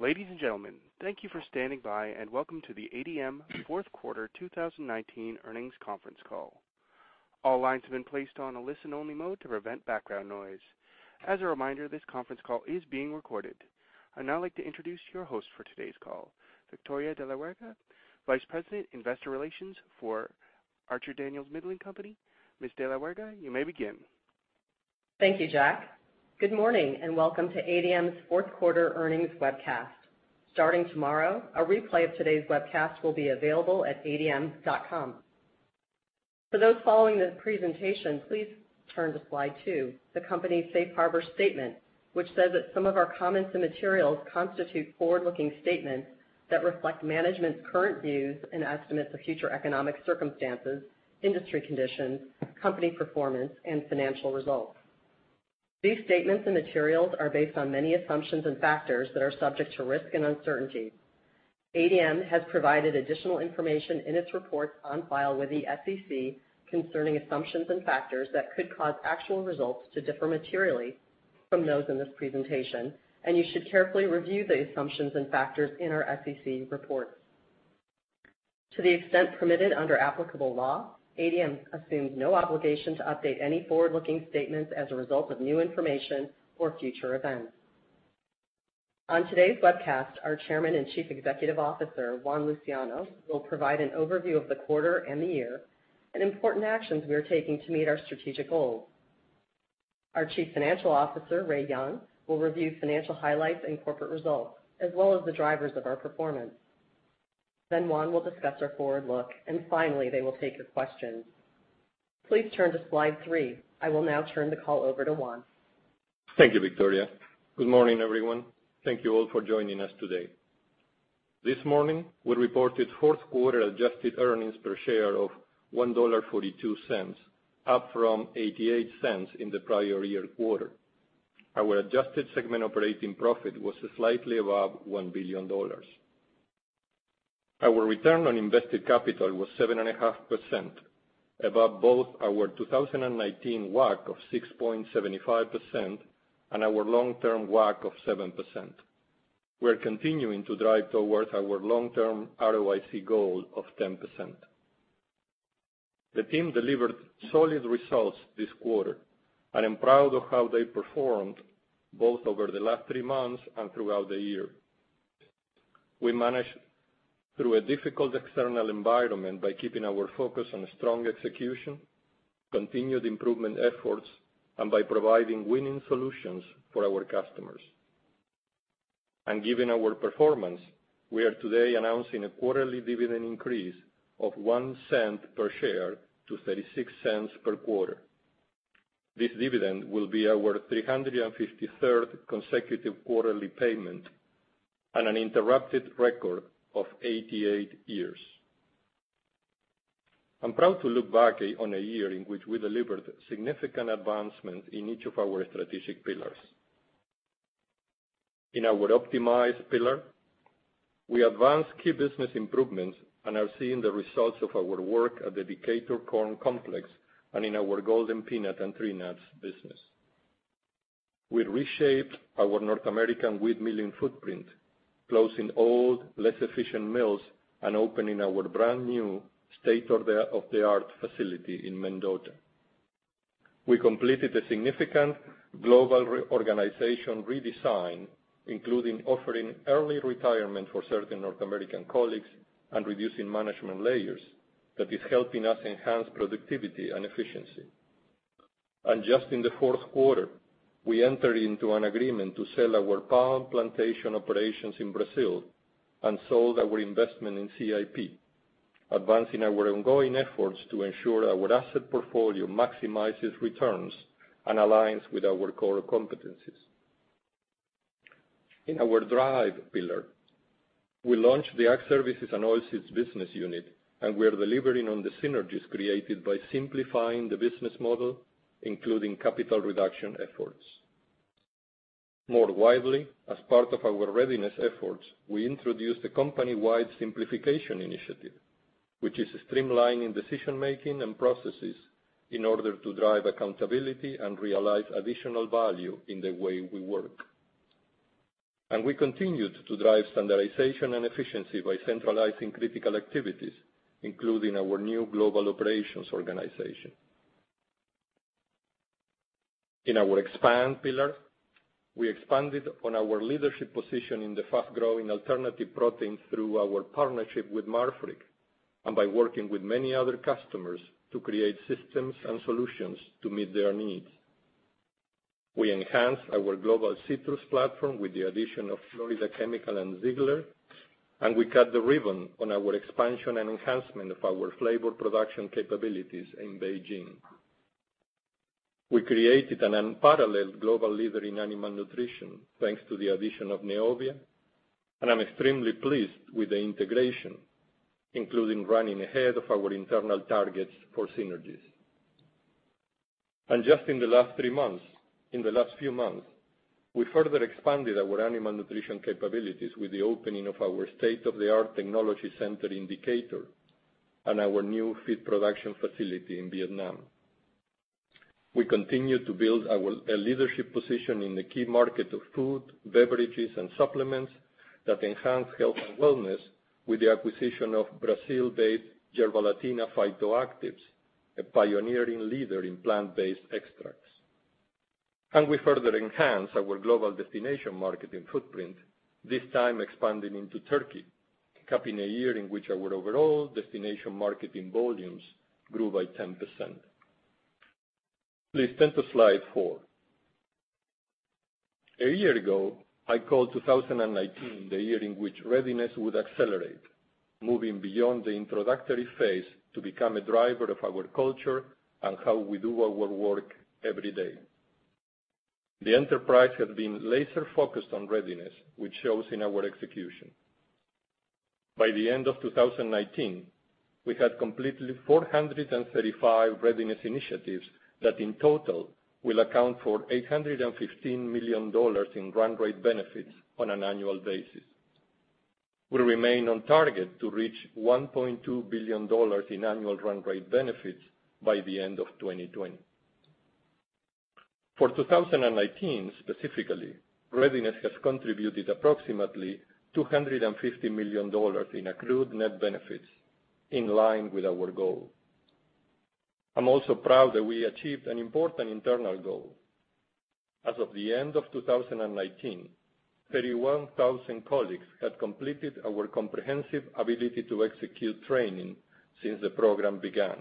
Ladies and gentlemen, thank you for standing by and welcome to the ADM Fourth Quarter 2019 Earnings Conference Call. All lines have been placed on a listen-only mode to prevent background noise. As a reminder, this conference call is being recorded. I'd now like to introduce your host for today's call, Victoria de la Huerga, Vice President, Investor Relations for Archer Daniels Midland Company. Ms. de la Huerga, you may begin. Thank you, Jack. Good morning and welcome to ADM's Fourth Quarter Earnings Webcast. Starting tomorrow, a replay of today's webcast will be available at adm.com. For those following the presentation, please turn to slide two, the company's safe harbor statement, which says that some of our comments and materials constitute forward-looking statements that reflect management's current views and estimates of future economic circumstances, industry conditions, company performance, and financial results. These statements and materials are based on many assumptions and factors that are subject to risk and uncertainty. ADM has provided additional information in its reports on file with the SEC concerning assumptions and factors that could cause actual results to differ materially from those in this presentation, and you should carefully review the assumptions and factors in our SEC reports. To the extent permitted under applicable law, ADM assumes no obligation to update any forward-looking statements as a result of new information or future events. On today's webcast, our Chairman and Chief Executive Officer, Juan Luciano, will provide an overview of the quarter and the year and important actions we are taking to meet our strategic goals. Our Chief Financial Officer, Ray Young, will review financial highlights and corporate results as well as the drivers of our performance. Juan will discuss our forward look, and finally, they will take your questions. Please turn to slide three. I will now turn the call over to Juan. Thank you, Victoria. Good morning, everyone. Thank you all for joining us today. This morning, we reported fourth quarter adjusted earnings per share of $1.42, up from $0.88 in the prior year quarter. Our adjusted segment operating profit was slightly above $1 billion. Our return on invested capital was 7.5%, above both our 2019 WACC of 6.75% and our long-term WACC of 7%. We're continuing to drive towards our long-term ROIC goal of 10%. The team delivered solid results this quarter. I'm proud of how they performed both over the last three months and throughout the year. We managed through a difficult external environment by keeping our focus on strong execution, continued improvement efforts, and by providing winning solutions for our customers. Given our performance, we are today announcing a quarterly dividend increase of $0.01 per share to $0.36 per quarter. This dividend will be our 353rd consecutive quarterly payment and an uninterrupted record of 88 years. I'm proud to look back on a year in which we delivered significant advancement in each of our strategic pillars. In our Optimize pillar, we advanced key business improvements and are seeing the results of our work at the Decatur Corn Complex and in our Golden Peanut and Tree Nuts business. We reshaped our North American wheat milling footprint, closing old, less efficient mills and opening our brand-new state-of-the-art facility in Mendota. We completed a significant global reorganization redesign, including offering early retirement for certain North American colleagues and reducing management layers that is helping us enhance productivity and efficiency. Just in the fourth quarter, we entered into an agreement to sell our palm plantation operations in Brazil and sold our investment in CIP, advancing our ongoing efforts to ensure our asset portfolio maximizes returns and aligns with our core competencies. In our drive pillar, we launched the Ag Services & Oilseeds business unit, we are delivering on the synergies created by simplifying the business model, including capital reduction efforts. More widely, as part of our Readiness efforts, we introduced a company-wide simplification initiative, which is streamlining decision-making and processes in order to drive accountability and realize additional value in the way we work. We continued to drive standardization and efficiency by centralizing critical activities, including our new global operations organization. In our expand pillar, we expanded on our leadership position in the fast-growing alternative protein through our partnership with Marfrig and by working with many other customers to create systems and solutions to meet their needs. We enhanced our global citrus platform with the addition of Florida Chemical and Ziegler, and we cut the ribbon on our expansion and enhancement of our flavor production capabilities in Beijing. We created an unparalleled global leader in animal nutrition, thanks to the addition of Neovia, and I'm extremely pleased with the integration, including running ahead of our internal targets for synergies. Just in the last three months, in the last few months, we further expanded our animal nutrition capabilities with the opening of our state-of-the-art technology center in Decatur and our new feed production facility in Vietnam. We continue to build our leadership position in the key markets of food, beverages, and supplements that enhance health and wellness with the acquisition of Brazil-based Yerbalatina Phytoactives, a pioneering leader in plant-based extracts. We further enhance our global destination marketing footprint, this time expanding into Turkey, capping a year in which our overall destination marketing volumes grew by 10%. Please turn to slide four. A year ago, I called 2019 the year in which Readiness would accelerate, moving beyond the introductory phase to become a driver of our culture and how we do our work every day. The enterprise has been laser-focused on Readiness, which shows in our execution. By the end of 2019, we had completed 435 Readiness initiatives that in total will account for $815 million in run rate benefits on an annual basis. We remain on target to reach $1.2 billion in annual run rate benefits by the end of 2020. For 2019, specifically, Readiness has contributed approximately $250 million in accrued net benefits in line with our goal. I'm also proud that we achieved an important internal goal. As of the end of 2019, 31,000 colleagues had completed our comprehensive ability to execute training since the program began.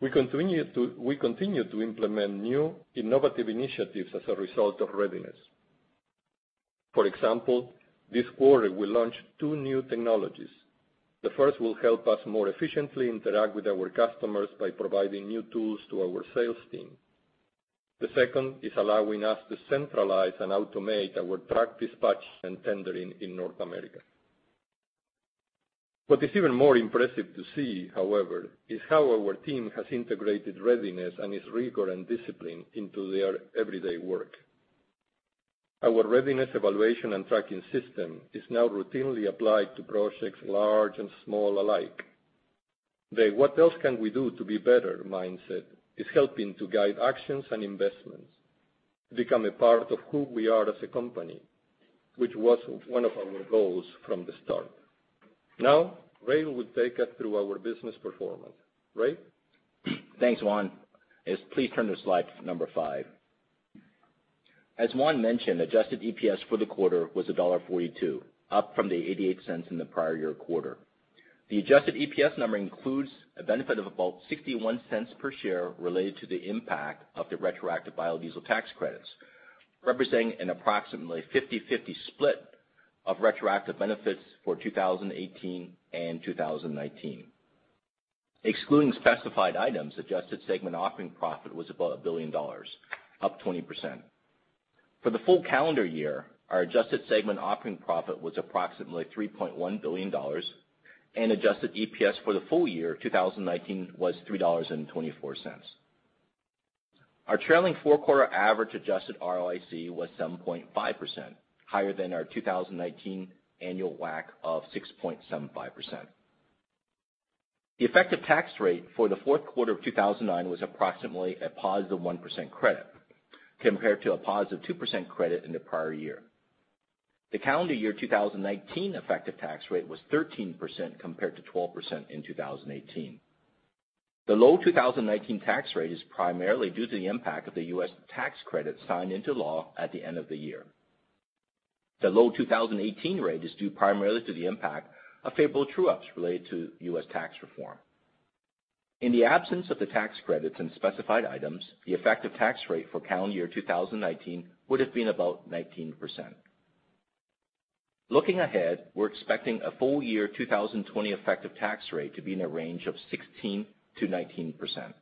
We continue to implement new innovative initiatives as a result of Readiness. For example, this quarter, we launched two new technologies. The first will help us more efficiently interact with our customers by providing new tools to our sales team. The second is allowing us to centralize and automate our truck dispatch and tendering in North America. What is even more impressive to see, however, is how our team has integrated Readiness and its rigor and discipline into their everyday work. Our Readiness evaluation and tracking system is now routinely applied to projects large and small alike. The what else can we do to be better mindset is helping to guide actions and investments, become a part of who we are as a company, which was one of our goals from the start. Now, Ray will take us through our business performance. Ray? Thanks, Juan. Yes, please turn to slide number five. As Juan mentioned, adjusted EPS for the quarter was $1.42, up from the $0.88 in the prior year quarter. The adjusted EPS number includes a benefit of about $0.61 per share related to the impact of the retroactive biodiesel tax credit, representing an approximately 50/50 split of retroactive benefits for 2018 and 2019. Excluding specified items, adjusted segment operating profit was about $1 billion, up 20%. For the full calendar year, our adjusted segment operating profit was approximately $3.1 billion and adjusted EPS for the full-year 2019 was $3.24. Our trailing four-quarter average adjusted ROIC was 7.5%, higher than our 2019 annual WACC of 6.75%. The effective tax rate for the fourth quarter of 2009 was approximately a positive 1% credit, compared to a positive 2% credit in the prior year. The calendar year 2019 effective tax rate was 13% compared to 12% in 2018. The low 2019 tax rate is primarily due to the impact of the U.S. tax credit signed into law at the end of the year. The low 2018 rate is due primarily to the impact of favorable true-ups related to U.S. tax reform. In the absence of the tax credits and specified items, the effective tax rate for calendar year 2019 would have been about 19%. Looking ahead, we're expecting a full-year 2020 effective tax rate to be in a range of 16%-19%.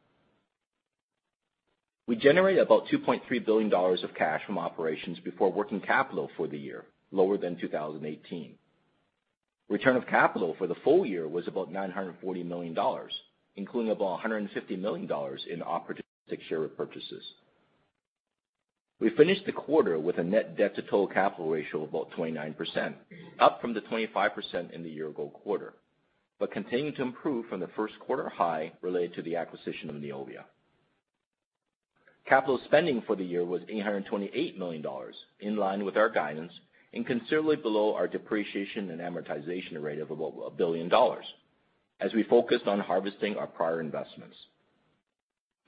We generated about $2.3 billion of cash from operations before working capital for the year, lower than 2018. Return of capital for the full-year was about $940 million, including about $150 million in opportunistic share repurchases. We finished the quarter with a net debt to total capital ratio of about 29%, up from the 25% in the year-ago quarter. Continuing to improve from the first quarter high related to the acquisition of Neovia. Capital spending for the year was $828 million, in line with our guidance. Considerably below our depreciation and amortization rate of about $1 billion, as we focused on harvesting our prior investments.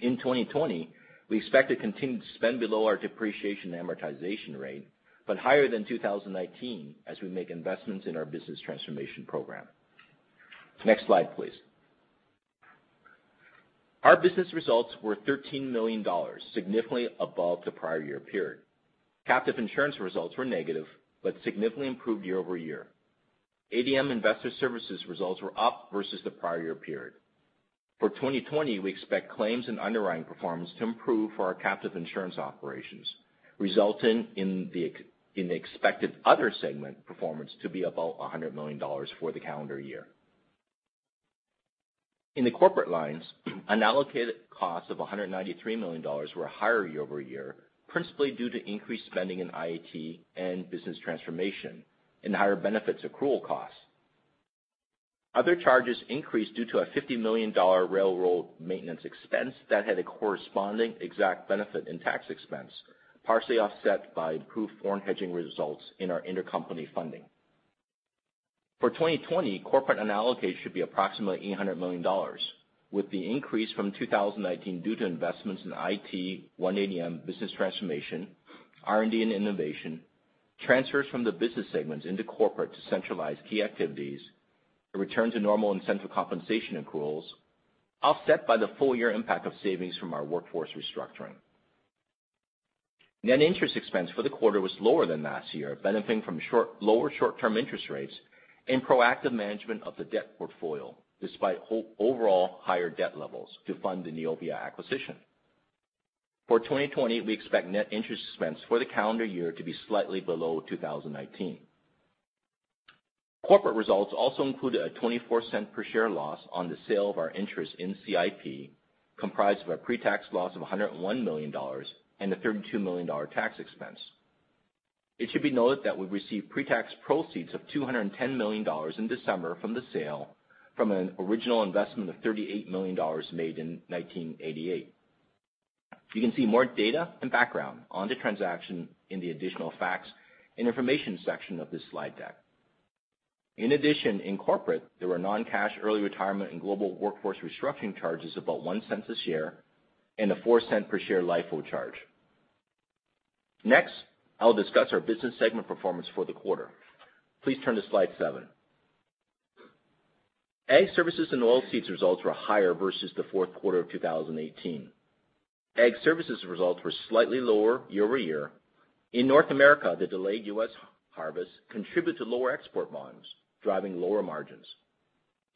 In 2020, we expect to continue to spend below our depreciation and amortization rate. Higher than 2019 as we make investments in our business transformation program. Next slide, please. Our business results were $13 million, significantly above the prior year period. Captive insurance results were negative. Significantly improved year-over-year. ADM Investor Services results were up versus the prior year period. For 2020, we expect claims and underwriting performance to improve for our captive insurance operations, resulting in the expected other segment performance to be about $100 million for the calendar year. In the corporate lines, unallocated costs of $193 million were higher year-over-year, principally due to increased spending in IT and business transformation and higher benefits accrual costs. Other charges increased due to a $50 million railroad maintenance expense that had a corresponding exact benefit in tax expense, partially offset by improved foreign hedging results in our intercompany funding. For 2020, corporate unallocated should be approximately $800 million, with the increase from 2019 due to investments in IT, One ADM Business Transformation, R&D, and innovation, transfers from the business segments into corporate to centralize key activities, a return to normal incentive compensation accruals, offset by the full-year impact of savings from our workforce restructuring. Net interest expense for the quarter was lower than last year, benefiting from lower short-term interest rates and proactive management of the debt portfolio, despite overall higher debt levels to fund the Neovia acquisition. For 2020, we expect net interest expense for the calendar year to be slightly below 2019. Corporate results also included a $0.24 per share loss on the sale of our interest in CIP, comprised of a pre-tax loss of $101 million and a $32 million tax expense. It should be noted that we received pre-tax proceeds of $210 million in December from the sale from an original investment of $38 million made in 1988. You can see more data and background on the transaction in the additional facts in the information section of this slide deck. In addition, in corporate, there were non-cash early retirement and global workforce restructuring charges about $0.01 this year and a $0.04 per share LIFO charge. Next, I will discuss our business segment performance for the quarter. Please turn to slide seven. Ag Services & Oilseeds results were higher versus the fourth quarter of 2018. Ag Services results were slightly lower year-over-year. In North America, the delayed U.S. harvest contributed to lower export volumes, driving lower margins.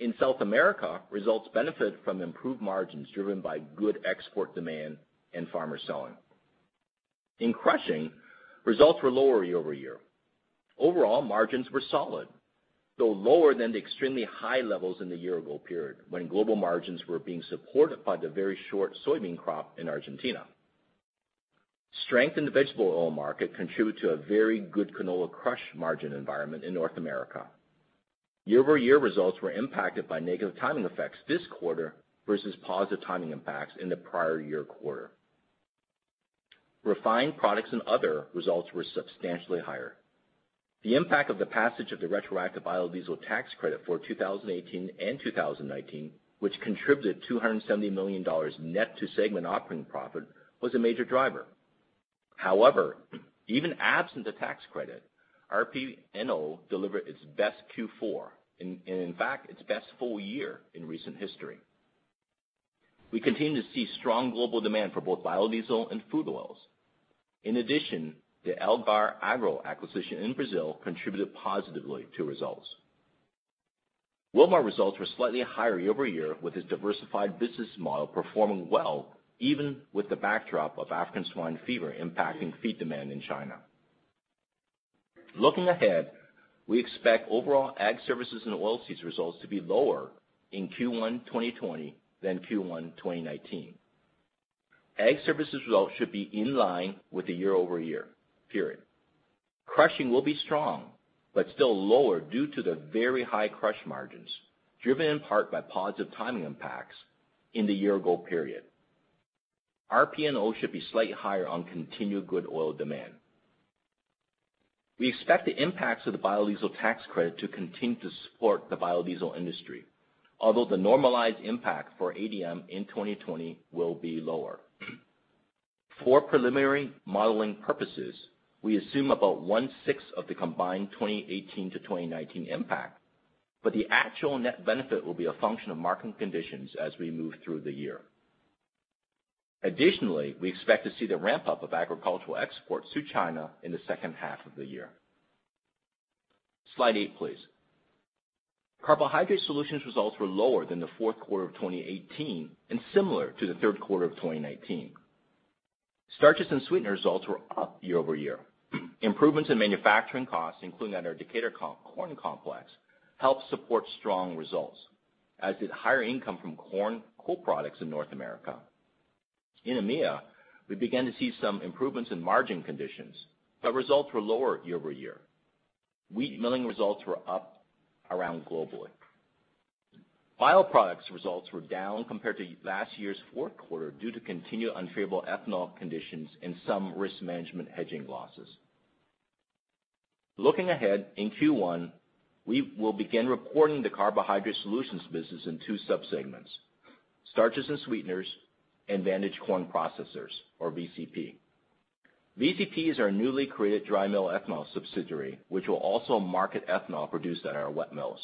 In South America, results benefited from improved margins driven by good export demand and farmer selling. In crushing, results were lower year-over-year. Overall margins were solid, though lower than the extremely high levels in the year-ago period when global margins were being supported by the very short soybean crop in Argentina. Strength in the vegetable oil market contributed to a very good canola crush margin environment in North America. Year-over-year results were impacted by negative timing effects this quarter versus positive timing impacts in the prior year quarter. Refined Products and Other results were substantially higher. The impact of the passage of the retroactive biodiesel tax credit for 2018 and 2019, which contributed $270 million net to segment operating profit, was a major driver. However, even absent the tax credit, RPNO delivered its best Q4, and in fact, its best full-year in recent history. We continue to see strong global demand for both biodiesel and food oils. In addition, the Algar Agro acquisition in Brazil contributed positively to results. Wilmar results were slightly higher year-over-year, with its diversified business model performing well, even with the backdrop of African swine fever impacting feed demand in China. Looking ahead, we expect overall Ag Services & Oilseeds results to be lower in Q1 2020 than Q1 2019. Ag Services results should be in line with the year-over-year period. Crushing will be strong but still lower due to the very high crush margins, driven in part by positive timing impacts in the year-ago period. RPNO should be slightly higher on continued good oil demand. We expect the impacts of the biodiesel tax credit to continue to support the biodiesel industry, although the normalized impact for ADM in 2020 will be lower. For preliminary modeling purposes, we assume about one-sixth of the combined 2018 to 2019 impact, but the actual net benefit will be a function of market conditions as we move through the year. Additionally, we expect to see the ramp-up of agricultural exports to China in the second half of the year. Slide eight, please. Carbohydrate Solutions results were lower than the fourth quarter of 2018 and similar to the third quarter of 2019. Starches and Sweeteners results were up year-over-year. Improvements in manufacturing costs, including at our Decatur corn complex, helped support strong results, as did higher income from corn co-products in North America. In EMEA, we began to see some improvements in margin conditions, results were lower year-over-year. Wheat milling results were up around globally. Bioproducts results were down compared to last year's fourth quarter due to continued unfavorable ethanol conditions and some risk management hedging losses. Looking ahead, in Q1, we will begin reporting the Carbohydrate Solutions business in two subsegments: Starches and Sweeteners and Vantage Corn Processors, or VCP. VCP is our newly created dry mill ethanol subsidiary, which will also market ethanol produced at our wet mills.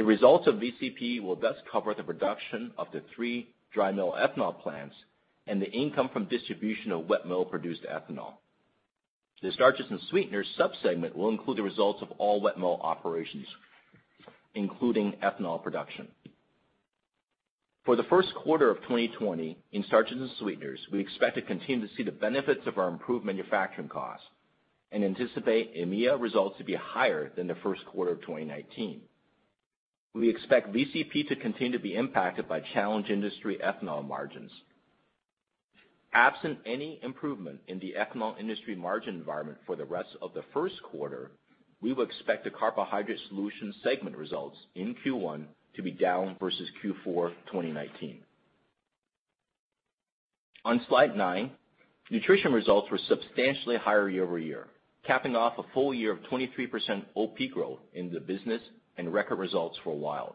The results of VCP will thus cover the production of the three dry mill ethanol plants and the income from distribution of wet mill-produced ethanol. The Starches and Sweeteners subsegment will include the results of all wet mill operations, including ethanol production. For the first quarter of 2020, in Starches and Sweeteners we expect to continue to see the benefits of our improved manufacturing costs and anticipate EMEA results to be higher than the first quarter of 2019. We expect Vantage Corn Processors to continue to be impacted by challenged industry ethanol margins. Absent any improvement in the ethanol industry margin environment for the rest of the first quarter, we would expect the Carbohydrate Solutions segment results in Q1 to be down versus Q4 2019. On slide nine, Nutrition results were substantially higher year-over-year, capping off a full-year of 23% OP growth in the business and record results for WILD Flavors.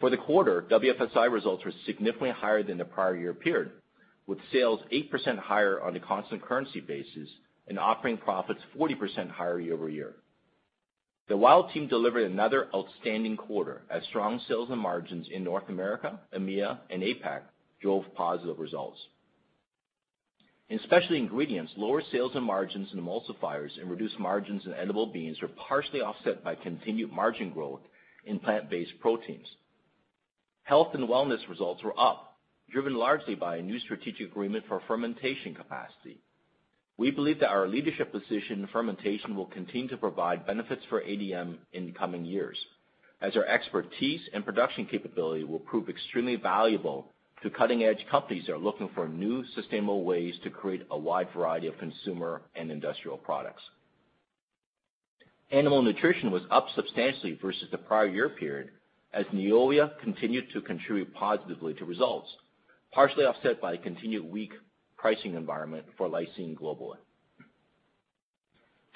For the quarter, WFSI results were significantly higher than the prior year period, with sales 8% higher on a constant currency basis and operating profits 40% higher year-over-year. The WILD team delivered another outstanding quarter as strong sales and margins in North America, EMEA, and APAC drove positive results. In special ingredients, lower sales and margins in emulsifiers and reduced margins in edible beans were partially offset by continued margin growth in plant-based proteins. Health and wellness results were up, driven largely by a new strategic agreement for fermentation capacity. We believe that our leadership position in fermentation will continue to provide benefits for ADM in the coming years, as our expertise and production capability will prove extremely valuable to cutting-edge companies that are looking for new sustainable ways to create a wide variety of consumer and industrial products. Animal nutrition was up substantially versus the prior year period, as Neovia continued to contribute positively to results, partially offset by continued weak pricing environment for lysine globally.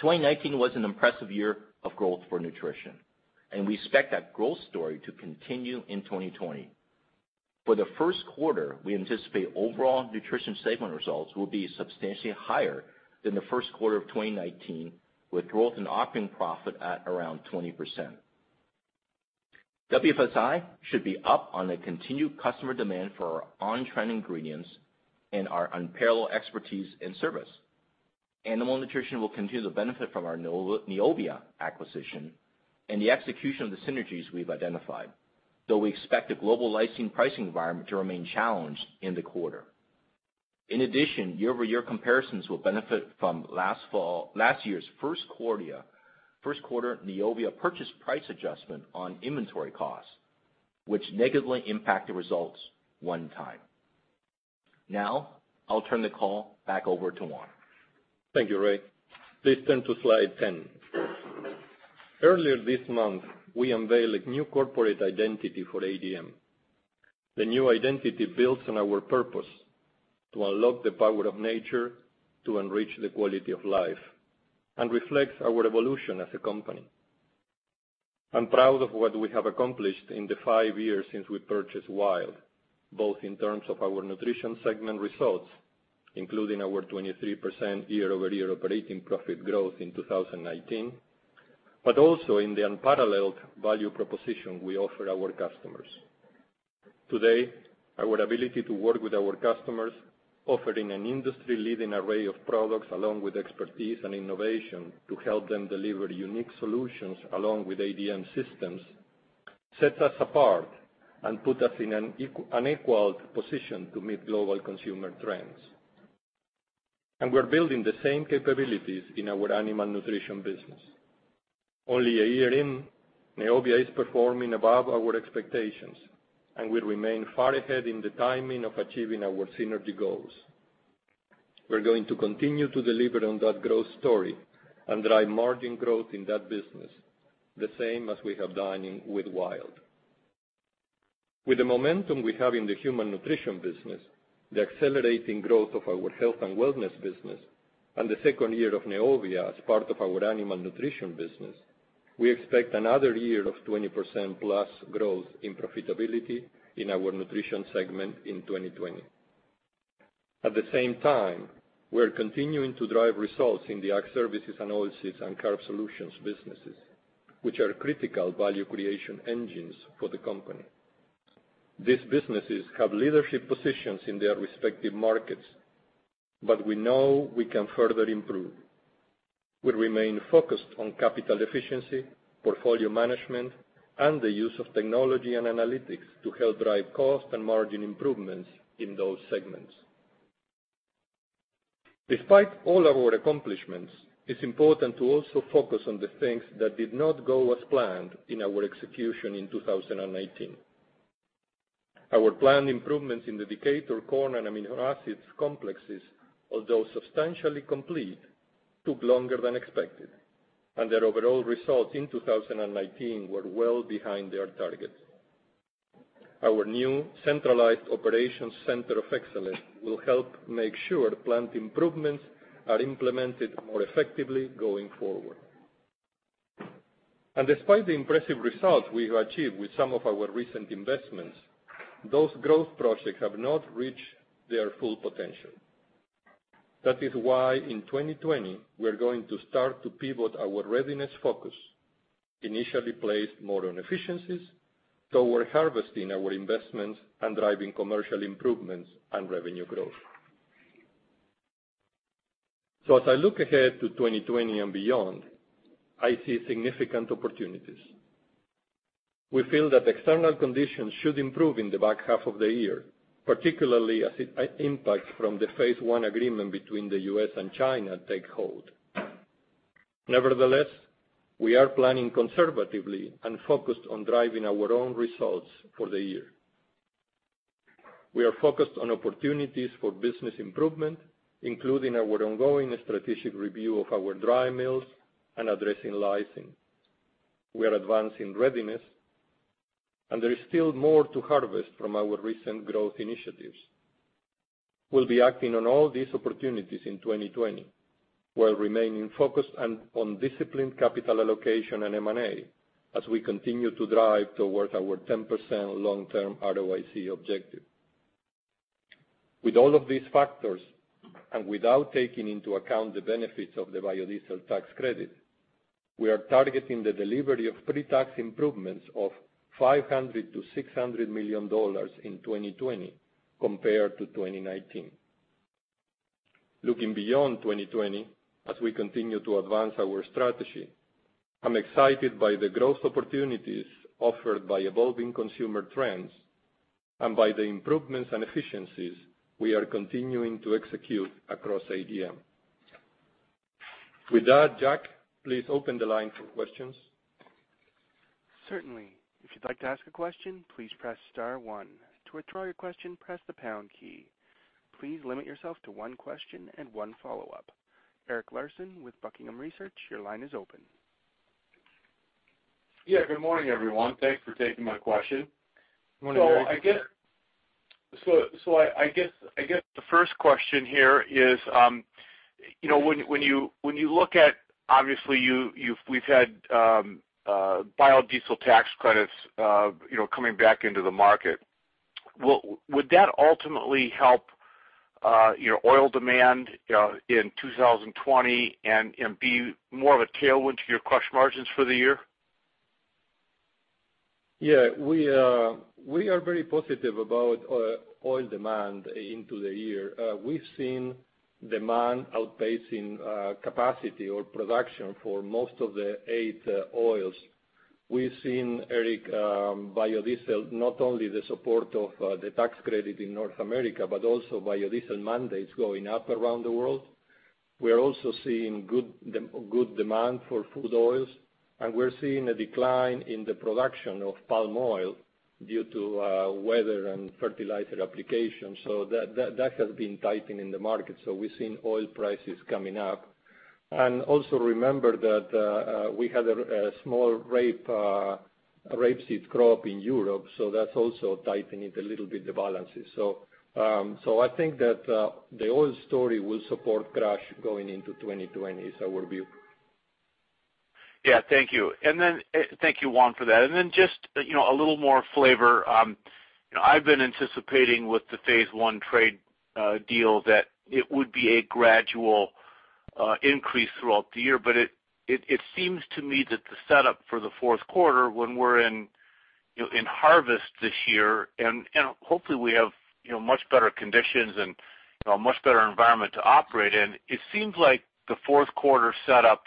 2019 was an impressive year of growth for nutrition. We expect that growth story to continue in 2020. For the first quarter, we anticipate overall nutrition segment results will be substantially higher than the first quarter of 2019, with growth in operating profit at around 20%. WFSI should be up on the continued customer demand for our on-trend ingredients and our unparalleled expertise in service. Animal nutrition will continue to benefit from our Neovia acquisition and the execution of the synergies we've identified, though we expect the global lysine pricing environment to remain challenged in the quarter. In addition, year-over-year comparisons will benefit from last year's first quarter Neovia purchase price adjustment on inventory costs, which negatively impacted results one time. Now, I'll turn the call back over to Juan. Thank you, Ray. Please turn to slide 10. Earlier this month, we unveiled a new corporate identity for ADM. The new identity builds on our purpose to unlock the power of nature to enrich the quality of life and reflects our evolution as a company. I'm proud of what we have accomplished in the five years since we purchased WILD, both in terms of our nutrition segment results, including our 23% year-over-year operating profit growth in 2019, but also in the unparalleled value proposition we offer our customers. Today, our ability to work with our customers, offering an industry-leading array of products along with expertise and innovation to help them deliver unique solutions along with ADM systems, sets us apart and put us in an unequaled position to meet global consumer trends. We're building the same capabilities in our animal nutrition business. Only a year in, Neovia is performing above our expectations, and we remain far ahead in the timing of achieving our synergy goals. We're going to continue to deliver on that growth story and drive margin growth in that business, the same as we have done with WILD. With the momentum we have in the human nutrition business, the accelerating growth of our health and wellness business, and the second year of Neovia as part of our animal nutrition business, we expect another year of 20% plus growth in profitability in our nutrition segment in 2020. At the same time, we're continuing to drive results in the Ag Services & Oilseeds and Carbohydrate Solutions businesses, which are critical value creation engines for the company. These businesses have leadership positions in their respective markets, but we know we can further improve. We remain focused on capital efficiency, portfolio management, and the use of technology and analytics to help drive cost and margin improvements in those segments. Despite all our accomplishments, it's important to also focus on the things that did not go as planned in our execution in 2019. Our planned improvements in the Decatur corn and amino acids complexes, although substantially complete, took longer than expected, and their overall results in 2019 were well behind their targets. Our new centralized operations center of excellence will help make sure plant improvements are implemented more effectively going forward. Despite the impressive results we have achieved with some of our recent investments, those growth projects have not reached their full potential. That is why in 2020, we're going to start to pivot our Readiness focus, initially placed more on efficiencies, toward harvesting our investments and driving commercial improvements and revenue growth. As I look ahead to 2020 and beyond, I see significant opportunities. We feel that external conditions should improve in the back half of the year, particularly as impacts from the Phase One trade deal between the U.S. and China take hold. Nevertheless, we are planning conservatively and focused on driving our own results for the year. We are focused on opportunities for business improvement, including our ongoing strategic review of our dry mills and addressing lysine. We are advancing Readiness, and there is still more to harvest from our recent growth initiatives. We'll be acting on all these opportunities in 2020, while remaining focused on disciplined capital allocation and M&A, as we continue to drive towards our 10% long-term ROIC objective. With all of these factors, and without taking into account the benefits of the biodiesel tax credit, we are targeting the delivery of pre-tax improvements of $500 million-$600 million in 2020 compared to 2019. Looking beyond 2020, as we continue to advance our strategy, I'm excited by the growth opportunities offered by evolving consumer trends, and by the improvements and efficiencies we are continuing to execute across ADM. With that, Jack, please open the line for questions. Certainly. If you'd like to ask a question, please press star one. To withdraw your question, press the pound key. Please limit yourself to one question and one follow-up. Eric Larson with Buckingham Research, your line is open. Yeah, good morning, everyone. Thanks for taking my question. Morning, Eric. I guess the first question here is, when you look at, obviously we've had biodiesel tax credits coming back into the market. Would that ultimately help your oil demand in 2020 and be more of a tailwind to your crush margins for the year? We are very positive about oil demand into the year. We've seen demand outpacing capacity or production for most of the eight oils. We've seen, Eric, biodiesel, not only the support of the biodiesel tax credit in North America, but also biodiesel mandates going up around the world. We're also seeing good demand for food oils, and we're seeing a decline in the production of palm oil due to weather and fertilizer applications. That has been tightening the market. We're seeing oil prices coming up. Also remember that we had a small rapeseed crop in Europe, so that's also tightening it a little bit, the balances. I think that the oil story will support crush going into 2020, is our view. Thank you, Juan, for that. Just a little more flavor. I've been anticipating with the Phase One trade deal that it would be a gradual increase throughout the year, but it seems to me that the setup for the fourth quarter, when we're in harvest this year, and hopefully we have much better conditions and a much better environment to operate in, it seems like the fourth quarter setup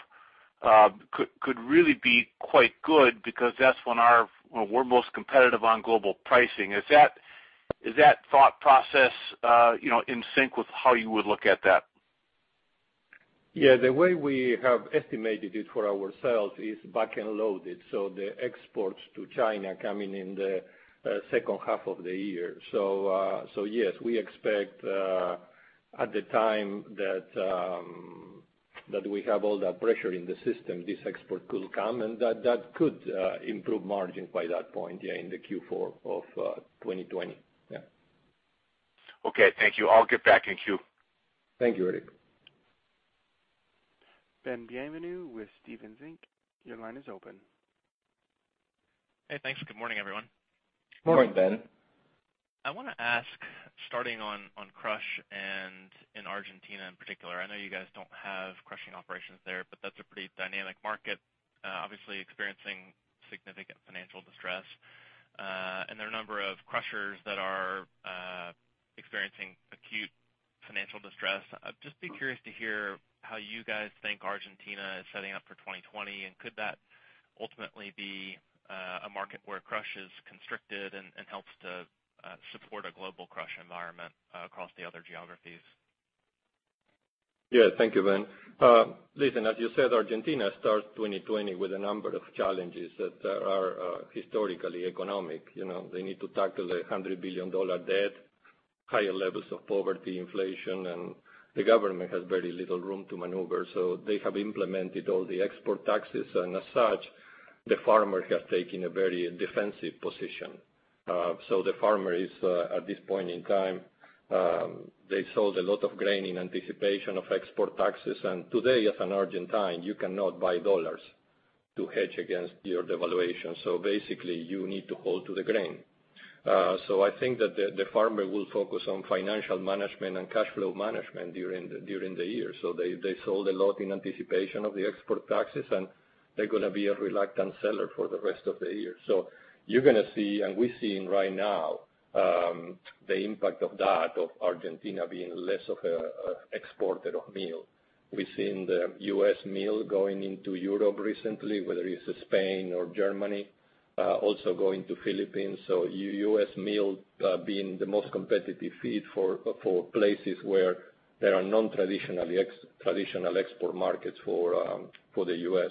could really be quite good because that's when we're most competitive on global pricing. Is that thought process in sync with how you would look at that? Yeah. The way we have estimated it for ourselves is back-end loaded. The exports to China coming in the second half of the year. Yes, we expect at the time that we have all that pressure in the system, this export could come, and that could improve margin by that point, yeah, in the Q4 of 2020. Yeah. Okay. Thank you. I'll get back in queue. Thank you, Eric. Ben Bienvenu with Stephens Inc. Your line is open. Hey, thanks. Good morning, everyone. Morning, Ben. I want to ask, starting on Crush and in Argentina in particular, I know you guys don't have crushing operations there, but that's a pretty dynamic market, obviously experiencing significant financial distress. There are a number of crushers that are experiencing acute financial distress. I'd just be curious to hear how you guys think Argentina is setting up for 2020, and could that ultimately be a market where crush is constricted and helps to support a global crush environment across the other geographies? Yeah. Thank you, Ben. Listen, as you said, Argentina starts 2020 with a number of challenges that are historically economic. They need to tackle the $100 billion debt, higher levels of poverty, inflation, and the government has very little room to maneuver. They have implemented all the export taxes, and as such, the farmer has taken a very defensive position. The farmer is, at this point in time, they sold a lot of grain in anticipation of export taxes. Today, as an Argentine, you cannot buy dollars to hedge against your devaluation. Basically, you need to hold to the grain. I think that the farmer will focus on financial management and cash flow management during the year. They sold a lot in anticipation of the export taxes, and they're going to be a reluctant seller for the rest of the year. You're going to see, and we're seeing right now, the impact of that, of Argentina being less of an exporter of meal. We've seen the U.S. meal going into Europe recently, whether it's Spain or Germany, also going to Philippines. U.S. meal being the most competitive feed for places where there are non-traditional export markets for the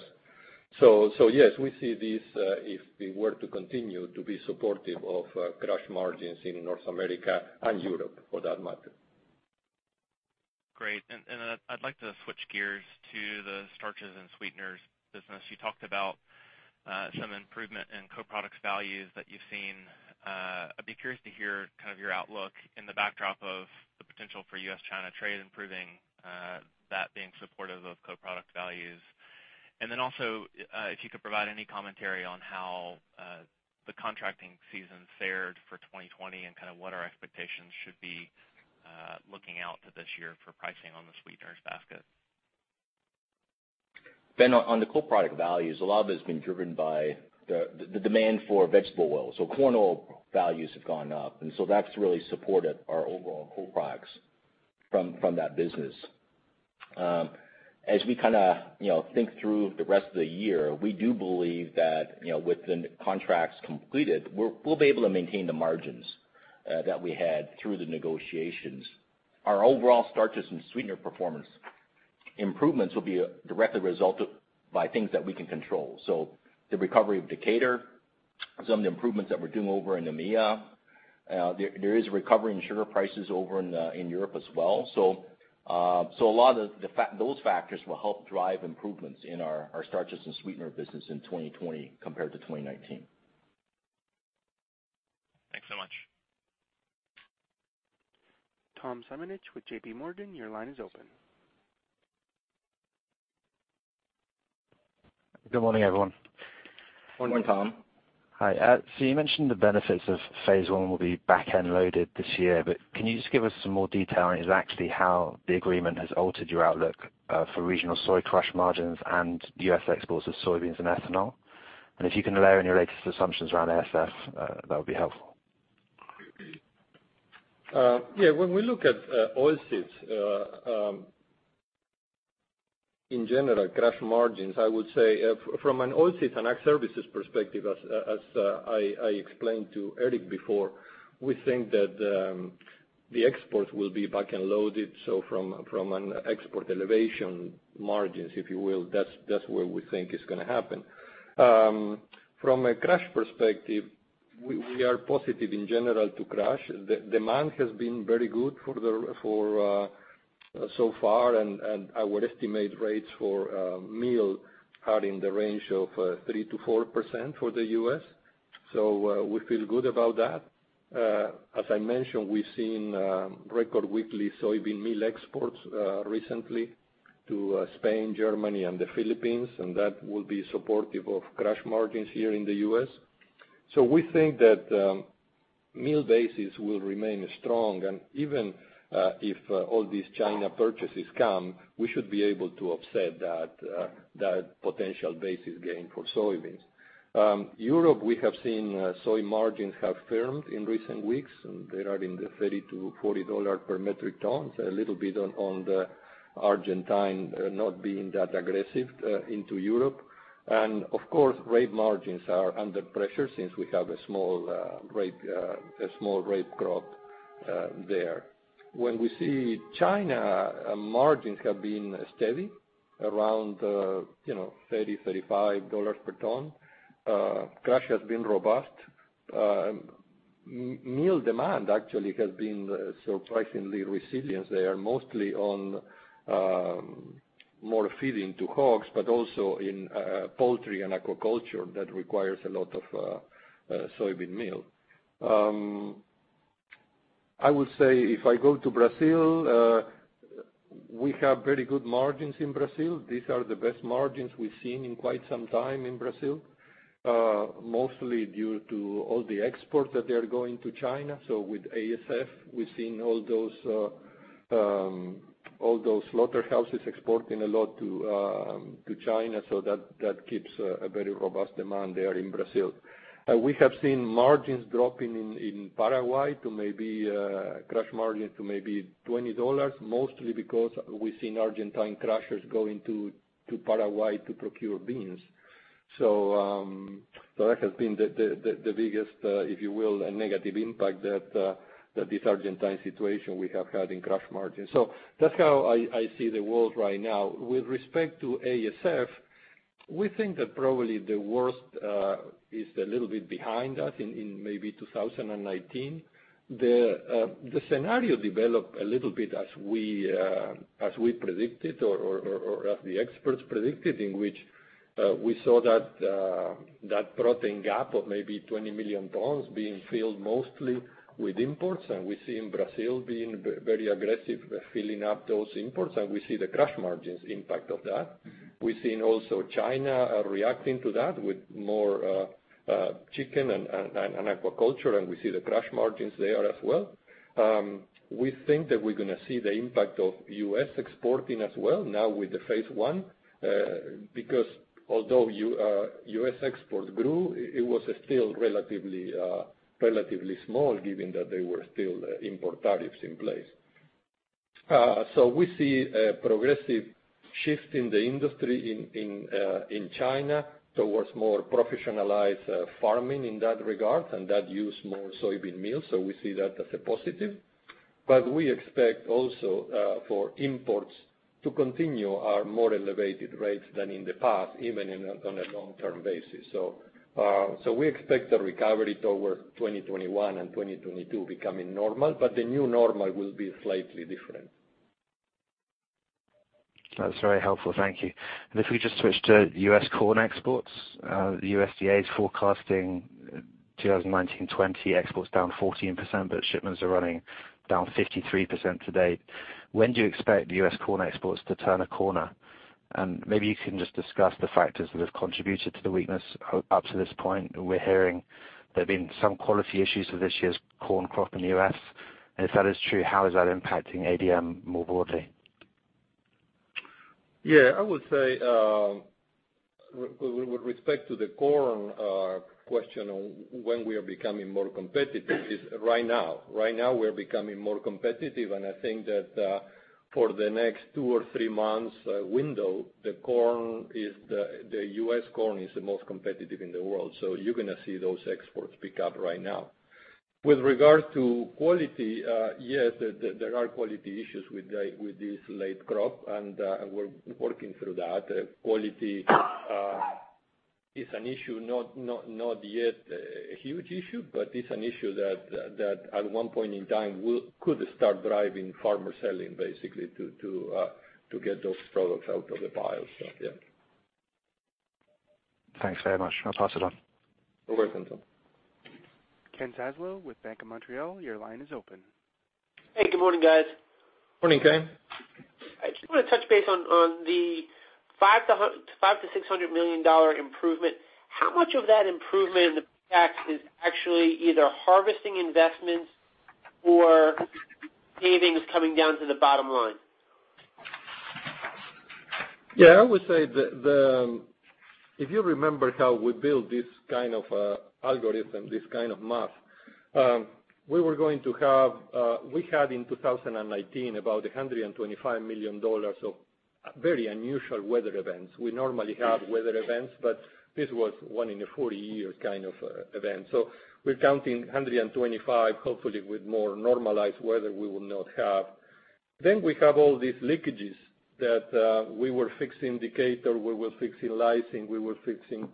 U.S. Yes, we see this, if we were to continue, to be supportive of crush margins in North America and Europe for that matter. Great. I'd like to switch gears to the starches and sweeteners business. You talked about some improvement in co-products values that you've seen. I'd be curious to hear your outlook in the backdrop of the potential for U.S.-China trade improving, that being supportive of co-product values. Also, if you could provide any commentary on how the contracting season fared for 2020 and what our expectations should be looking out to this year for pricing on the sweeteners basket. Ben, on the co-product values, a lot of it has been driven by the demand for vegetable oil. Corn oil values have gone up, and that's really supported our overall co-products from that business. As we think through the rest of the year, we do believe that with the contracts completed, we'll be able to maintain the margins that we had through the negotiations. Our overall starches and sweetener performance improvements will be directly resulted by things that we can control: the recovery of Decatur, some of the improvements that we're doing over in EMEA. There is a recovery in sugar prices over in Europe as well. A lot of those factors will help drive improvements in our starches and sweetener business in 2020 compared to 2019. Thanks so much. Tom Simonitsch with J.P. Morgan, your line is open. Good morning, everyone. Good morning, Tom. Hi. You mentioned the benefits of Phase One will be back-end loaded this year, can you just give us some more detail on exactly how the agreement has altered your outlook for regional soy crush margins and U.S. exports of soybeans and ethanol? If you can layer in your latest assumptions around ASF, that would be helpful. Yeah. When we look at oilseeds, in general, crush margins, I would say from an oilseed and Ag Services perspective, as I explained to Eric before, we think that the exports will be back-end loaded. From an export elevation margins, if you will, that's where we think it's going to happen. From a crush perspective, we are positive in general to crush. Demand has been very good so far, I would estimate rates for meal are in the range of 3%-4% for the U.S. We feel good about that. As I mentioned, we've seen record weekly soybean meal exports recently to Spain, Germany, and the Philippines, and that will be supportive of crush margins here in the U.S. We think that meal bases will remain strong, and even if all these China purchases come, we should be able to offset that potential basis gain for soybeans. Europe, we have seen soy margins have firmed in recent weeks, and they are in the $30-$40 per metric tons, a little bit on the Argentine not being that aggressive into Europe. Of course, rape margins are under pressure since we have a small rape crop there. When we see China, margins have been steady around $30, $35 per ton. Crush has been robust. Meal demand actually has been surprisingly resilient. They are mostly on more feeding to hogs, but also in poultry and aquaculture that requires a lot of soybean meal. I would say if I go to Brazil, we have very good margins in Brazil. These are the best margins we've seen in quite some time in Brazil. Due to all the exports that they are going to China. With ASF, we're seeing all those slaughterhouses exporting a lot to China, so that keeps a very robust demand there in Brazil. We have seen margins dropping in Paraguay to maybe crush margin to maybe $20, because we've seen Argentine crushers going to Paraguay to procure beans. That has been the biggest, if you will, negative impact that this Argentine situation we have had in crush margins. That's how I see the world right now. With respect to ASF, we think that probably the worst is a little bit behind us in maybe 2019. The scenario developed a little bit as we predicted, or as the experts predicted, in which we saw that protein gap of maybe 20 million tons being filled mostly with imports. We see in Brazil being very aggressive filling up those imports, and we see the crush margins impact of that. We've seen also China reacting to that with more chicken and aquaculture, and we see the crush margins there as well. We think that we're going to see the impact of U.S. exporting as well now with the phase I, because although U.S. export grew, it was still relatively small given that there were still import tariffs in place. We see a progressive shift in the industry in China towards more professionalized farming in that regard, and that use more soybean meal. We see that as a positive. We expect also, for imports to continue our more elevated rates than in the past, even on a long-term basis. We expect a recovery toward 2021 and 2022 becoming normal, but the new normal will be slightly different. That's very helpful. Thank you. If we just switch to U.S. corn exports, the USDA is forecasting 2019-2020 exports down 14%. Shipments are running down 53% to date. When do you expect U.S. corn exports to turn a corner? Maybe you can just discuss the factors that have contributed to the weakness up to this point. We're hearing there have been some quality issues with this year's corn crop in the U.S. If that is true, how is that impacting ADM more broadly? Yeah, I would say, with respect to the corn question on when we are becoming more competitive, it's right now. Right now, we're becoming more competitive, and I think that for the next two or three months window, the U.S. corn is the most competitive in the world. You're going to see those exports pick up right now. With regards to quality, yes, there are quality issues with this late crop, and we're working through that. Quality is an issue, not yet a huge issue, but it's an issue that at one point in time could start driving farmer selling, basically, to get those products out of the pile. Thanks very much. I'll pass it on. You're welcome. Ken Zaslow with Bank of Montreal, your line is open. Hey, good morning, guys. Morning, Ken. I just want to touch base on the $500 million-$600 million improvement. How much of that improvement, in fact, is actually either harvesting investments or savings coming down to the bottom line? Yeah, I would say that if you remember how we built this kind of algorithm, this kind of math, we had in 2019, about $125 million of very unusual weather events. We normally have weather events, but this was a one in a 40-year kind of event. We're counting $125 million. Hopefully, with more normalized weather, we will not have. We have all these leakages that we were fixing Decatur, we were fixing lysine, we were fixing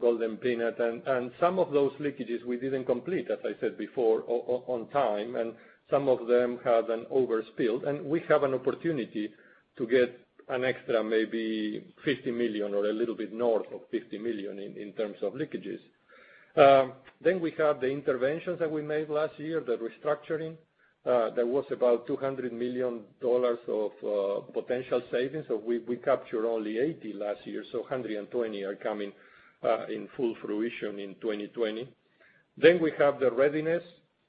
Golden Peanut, and some of those leakages we didn't complete, as I said before, on time, and some of them have an overspill, and we have an opportunity to get an extra, maybe, $50 million or a little bit north of $50 million in terms of leakages. We have the interventions that we made last year, the restructuring. That was about $200 million of potential savings. We captured only $80 last year, $120 are coming in full fruition in 2020. We have the Readiness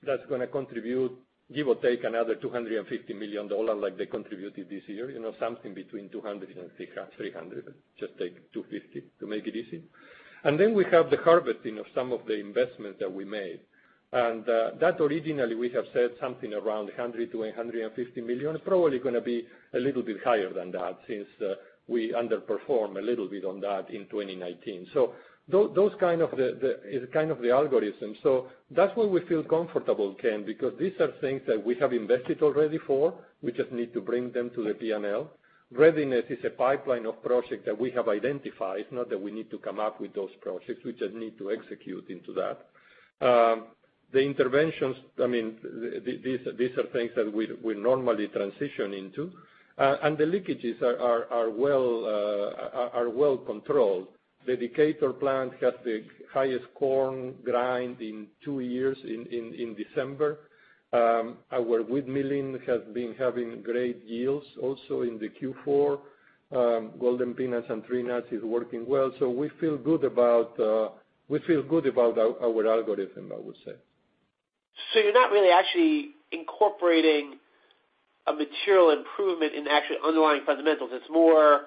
that's going to contribute, give or take, another $250 million like they contributed this year. Something between $200 and $300. Just take $250 to make it easy. We have the harvesting of some of the investment that we made. That originally, we have said something around $100 million-$150 million, probably going to be a little bit higher than that since we underperformed a little bit on that in 2019. That is kind of the algorithm. That's why we feel comfortable, Ken, because these are things that we have invested already for. We just need to bring them to the P&L. Readiness is a pipeline of projects that we have identified, not that we need to come up with those projects. We just need to execute into that. The interventions, these are things that we normally transition into. The leakages are well controlled. The Decatur plant has the highest corn grind in two years in December. Our wheat milling has been having great yields also in the Q4. Golden Peanut and Tree Nuts is working well. We feel good about our algorithm, I would say. You're not really actually incorporating a material improvement in actual underlying fundamentals. It's more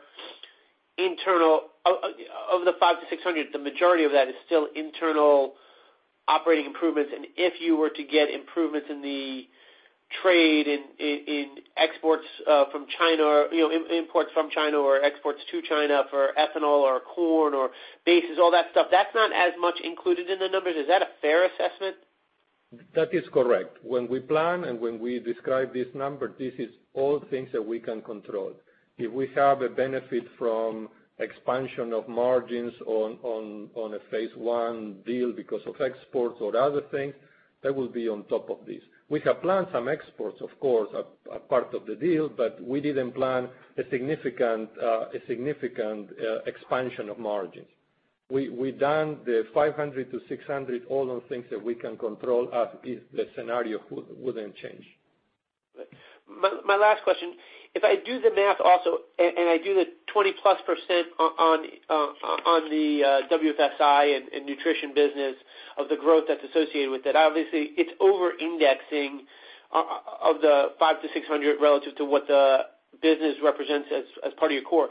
internal. Of the 5-600, the majority of that is still internal operating improvements. If you were to get improvements in the trade, in exports from China, or imports from China or exports to China for ethanol or corn or basis, all that stuff, that's not as much included in the numbers. Is that a fair assessment? That is correct. We plan and when we describe this number, these are all things that we can control. If we have a benefit from expansion of margins on a phase I deal because of exports or other things, that will be on top of this. We have planned some exports, of course, a part of the deal, we didn't plan a significant expansion of margins. We've done the $500 million-$600 million, all on things that we can control as if the scenario wouldn't change. My last question. If I do the math also, I do the 20%+ on the WFSI and Nutrition business of the growth that's associated with it, obviously, it's over-indexing of the $5-$600 relative to what the business represents as part of your core.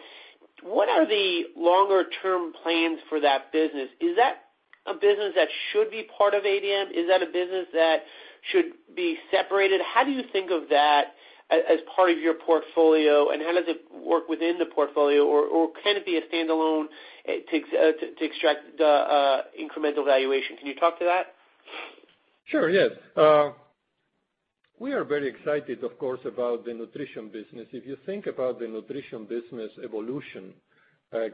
What are the longer-term plans for that business? Is that a business that should be part of ADM? Is that a business that should be separated? How do you think of that as part of your portfolio, how does it work within the portfolio? Can it be a standalone to extract the incremental valuation? Can you talk to that? Sure. Yes. We are very excited, of course, about the nutrition business. If you think about the nutrition business evolution,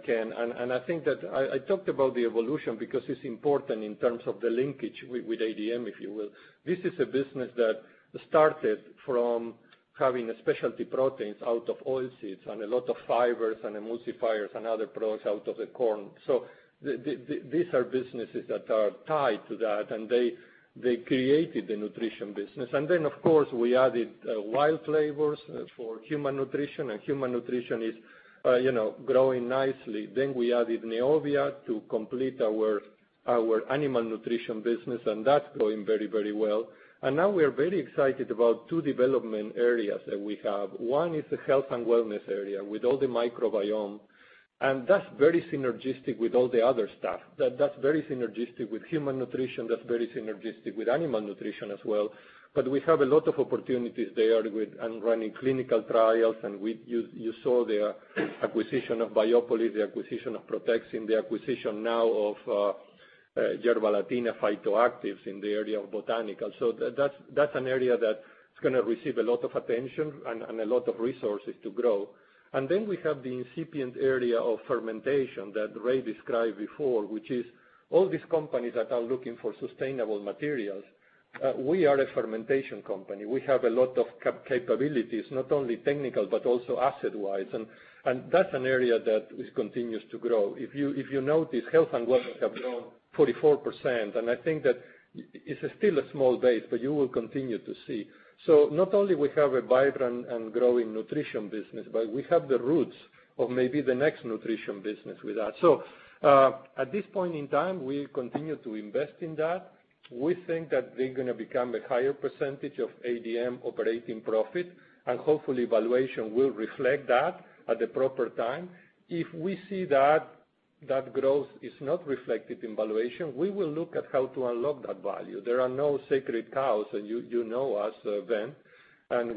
Ken, I think that I talked about the evolution because it's important in terms of the linkage with ADM, if you will. This is a business that started from having specialty proteins out of oilseeds and a lot of fibers and emulsifiers and other products out of the corn. These are businesses that are tied to that, and they created the nutrition business. Then, of course, we added WILD Flavors for human nutrition, human nutrition is growing nicely. Then we added Neovia to complete our animal nutrition business, that's growing very well. Now we are very excited about two development areas that we have. One is the health and wellness area, with all the microbiome. That's very synergistic with all the other stuff. That's very synergistic with human nutrition. That's very synergistic with animal nutrition as well. We have a lot of opportunities there with running clinical trials. You saw the acquisition of Biopolis, the acquisition of Protexin, the acquisition now of Yerbalatina Phytoactives in the area of botanical. That's an area that's going to receive a lot of attention and a lot of resources to grow. Then we have the incipient area of fermentation that Ray described before, which is all these companies that are looking for sustainable materials. We are a fermentation company. We have a lot of capabilities, not only technical, but also asset-wise. That's an area that continues to grow. If you notice, health and wellness have grown 44%, and I think that it's still a small base, but you will continue to see. Not only we have a vibrant and growing nutrition business, but we have the roots of maybe the next nutrition business with that. At this point in time, we continue to invest in that. We think that they're going to become a higher percentage of ADM operating profit, and hopefully valuation will reflect that at the proper time. If we see that that growth is not reflected in valuation, we will look at how to unlock that value. There are no sacred cows, and you know us, Ben.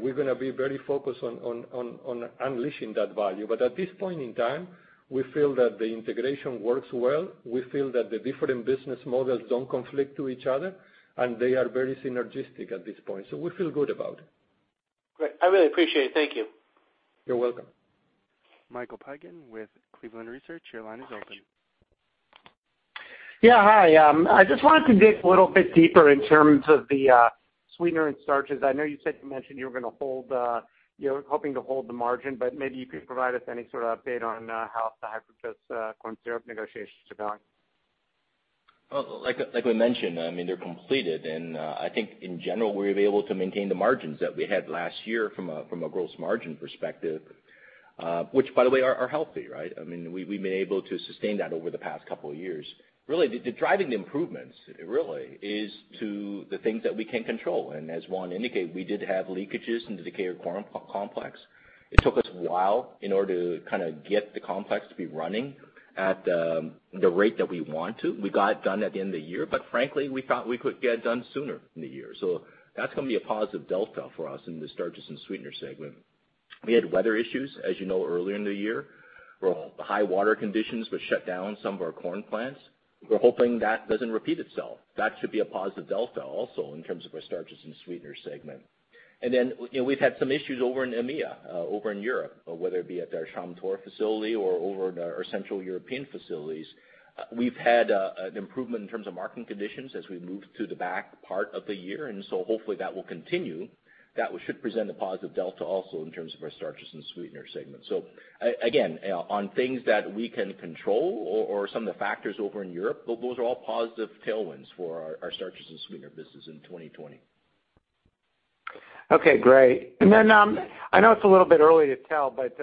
We're going to be very focused on unleashing that value. At this point in time, we feel that the integration works well. We feel that the different business models don't conflict to each other, and they are very synergistic at this point. We feel good about it. Great. I really appreciate it. Thank you. You're welcome. Michael Piken with Cleveland Research. Your line is open. Yeah. Hi. I just wanted to dig a little bit deeper in terms of the sweetener and starches. I know you said you mentioned you were hoping to hold the margin, but maybe you could provide us any sort of update on how the high fructose corn syrup negotiations are going. Like we mentioned, they're completed. I think in general, we'll be able to maintain the margins that we had last year from a gross margin perspective. Which by the way, are healthy. We've been able to sustain that over the past couple of years. Really, driving the improvements really is to the things that we can control. As Juan indicated, we did have leakages in the Decatur corn complex. It took us a while in order to get the complex to be running at the rate that we want to. We got it done at the end of the year, but frankly, we thought we could get it done sooner in the year. That's going to be a positive delta for us in the starches and sweetener segment. We had weather issues, as you know, earlier in the year, where high water conditions would shut down some of our corn plants. We're hoping that doesn't repeat itself. That should be a positive delta also in terms of our starches and sweetener segment. Then, we've had some issues over in EMEA, over in Europe, whether it be at our Chamtor facility or over at our Central European facilities. We've had an improvement in terms of marketing conditions as we've moved to the back part of the year. Hopefully that will continue. That should present a positive delta also in terms of our starches and sweetener segment. Again, on things that we can control or some of the factors over in Europe, those are all positive tailwinds for our starches and sweetener business in 2020. Okay, great. I know it's a little bit early to tell, but,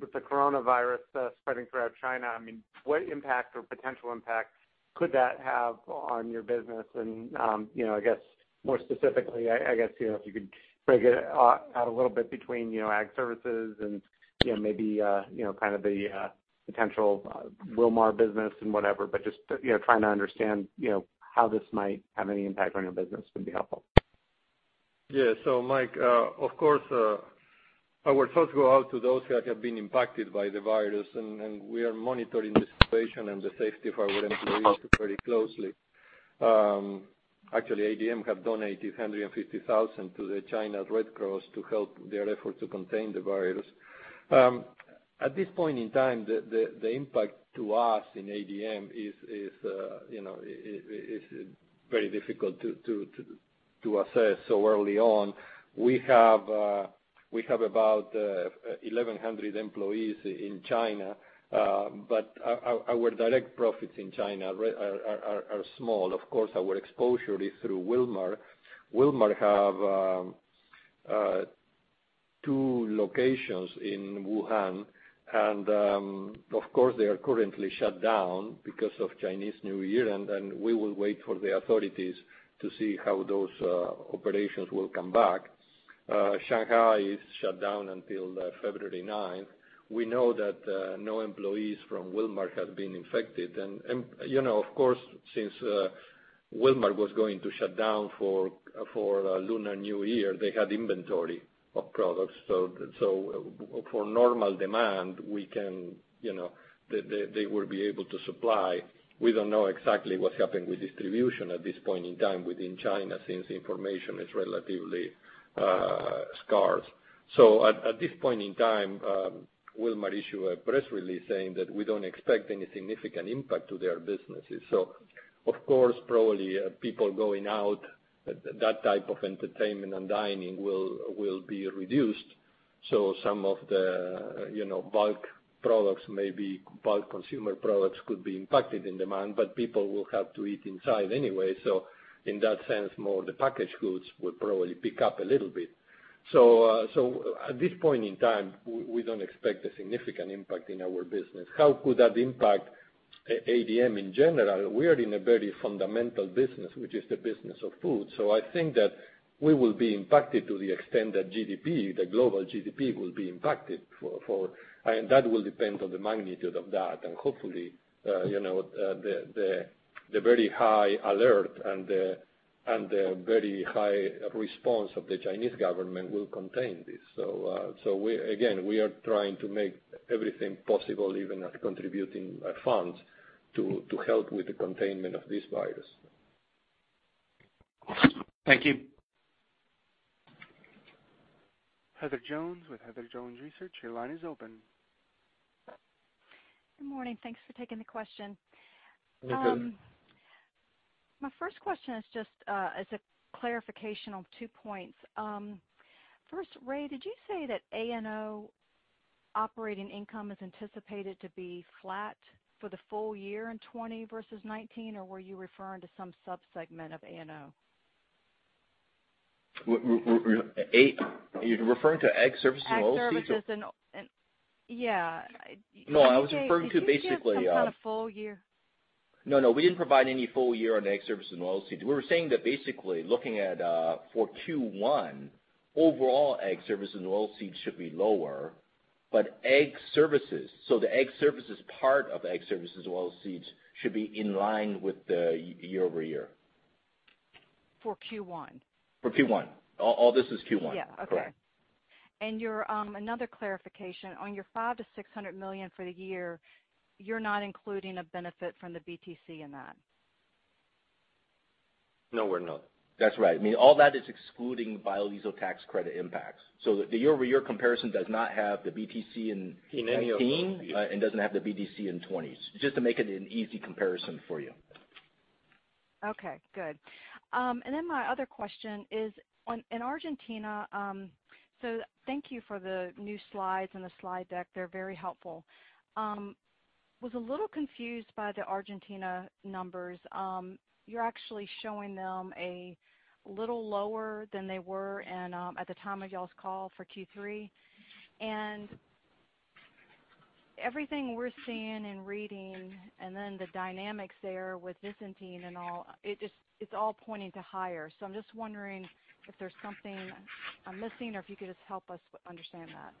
with the coronavirus spreading throughout China, what impact or potential impact could that have on your business? I guess more specifically, if you could break it out a little bit between Ag Services and maybe the potential Wilmar business and whatever, but just trying to understand how this might have any impact on your business would be helpful. Mike, of course, our thoughts go out to those who have been impacted by the virus, and we are monitoring the situation and the safety of our employees very closely. Actually, ADM have donated $150,000 to the China Red Cross to help their effort to contain the virus. At this point in time, the impact to us in ADM is very difficult to assess so early on. We have about 1,100 employees in China. Our direct profits in China are small. Of course, our exposure is through Wilmar. Wilmar have two locations in Wuhan. Of course, they are currently shut down because of Chinese New Year, and we will wait for the authorities to see how those operations will come back. Shanghai is shut down until February 9th. We know that no employees from Wilmar have been infected. Of course, since Wilmar was going to shut down for Lunar New Year, they had inventory of products. For normal demand, they will be able to supply. We don't know exactly what's happening with distribution at this point in time within China, since information is relatively scarce. At this point in time, Wilmar issued a press release saying that we don't expect any significant impact to their businesses. Of course, probably people going out, that type of entertainment and dining will be reduced. Some of the bulk products, maybe bulk consumer products, could be impacted in demand, but people will have to eat inside anyway. In that sense, more of the packaged goods will probably pick up a little bit. At this point in time, we don't expect a significant impact in our business. How could that impact ADM in general? We are in a very fundamental business, which is the business of food. I think that we will be impacted to the extent that GDP, the global GDP, will be impacted. That will depend on the magnitude of that. Hopefully, the very high alert and the very high response of the Chinese government will contain this. Again, we are trying to make everything possible, even at contributing funds to help with the containment of this virus. Thank you. Heather Jones with Heather Jones Research, your line is open. Good morning. Thanks for taking the question. You're welcome. My first question is just as a clarification on two points. First, Ray, did you say that A&O operating income is anticipated to be flat for the full-year in 2020 versus 2019? Were you referring to some sub-segment of A&O? You're referring to Ag Services & Oilseeds? Ag Services Yeah. No, I was referring to. Did you give some kind of full-year? We didn't provide any full-year on Ag Services & Oilseeds. We were saying that basically looking at for Q1, overall Ag Services & Oilseeds should be lower. Ag Services, so the Ag Services part of Ag Services & Oilseeds should be in line with the year-over-year. For Q1? For Q1. All this is Q1. Yeah. Okay. Another clarification. On your $500 million-$600 million for the year, you're not including a benefit from the BTC in that? No, we're not. That's right. I mean, all that is excluding biodiesel tax credit impacts. The year-over-year comparison does not have the BTC in 2019 and doesn't have the BTC in 2020, just to make it an easy comparison for you. Okay, good. My other question is in Argentina. Thank you for the new slides in the slide deck. They're very helpful. Was a little confused by the Argentina numbers. You're actually showing them a little lower than they were at the time of y'all's call for Q3. Everything we're seeing and reading, the dynamics there with Vicentin and all, it's all pointing to higher. I'm just wondering if there's something I'm missing or if you could just help us understand that.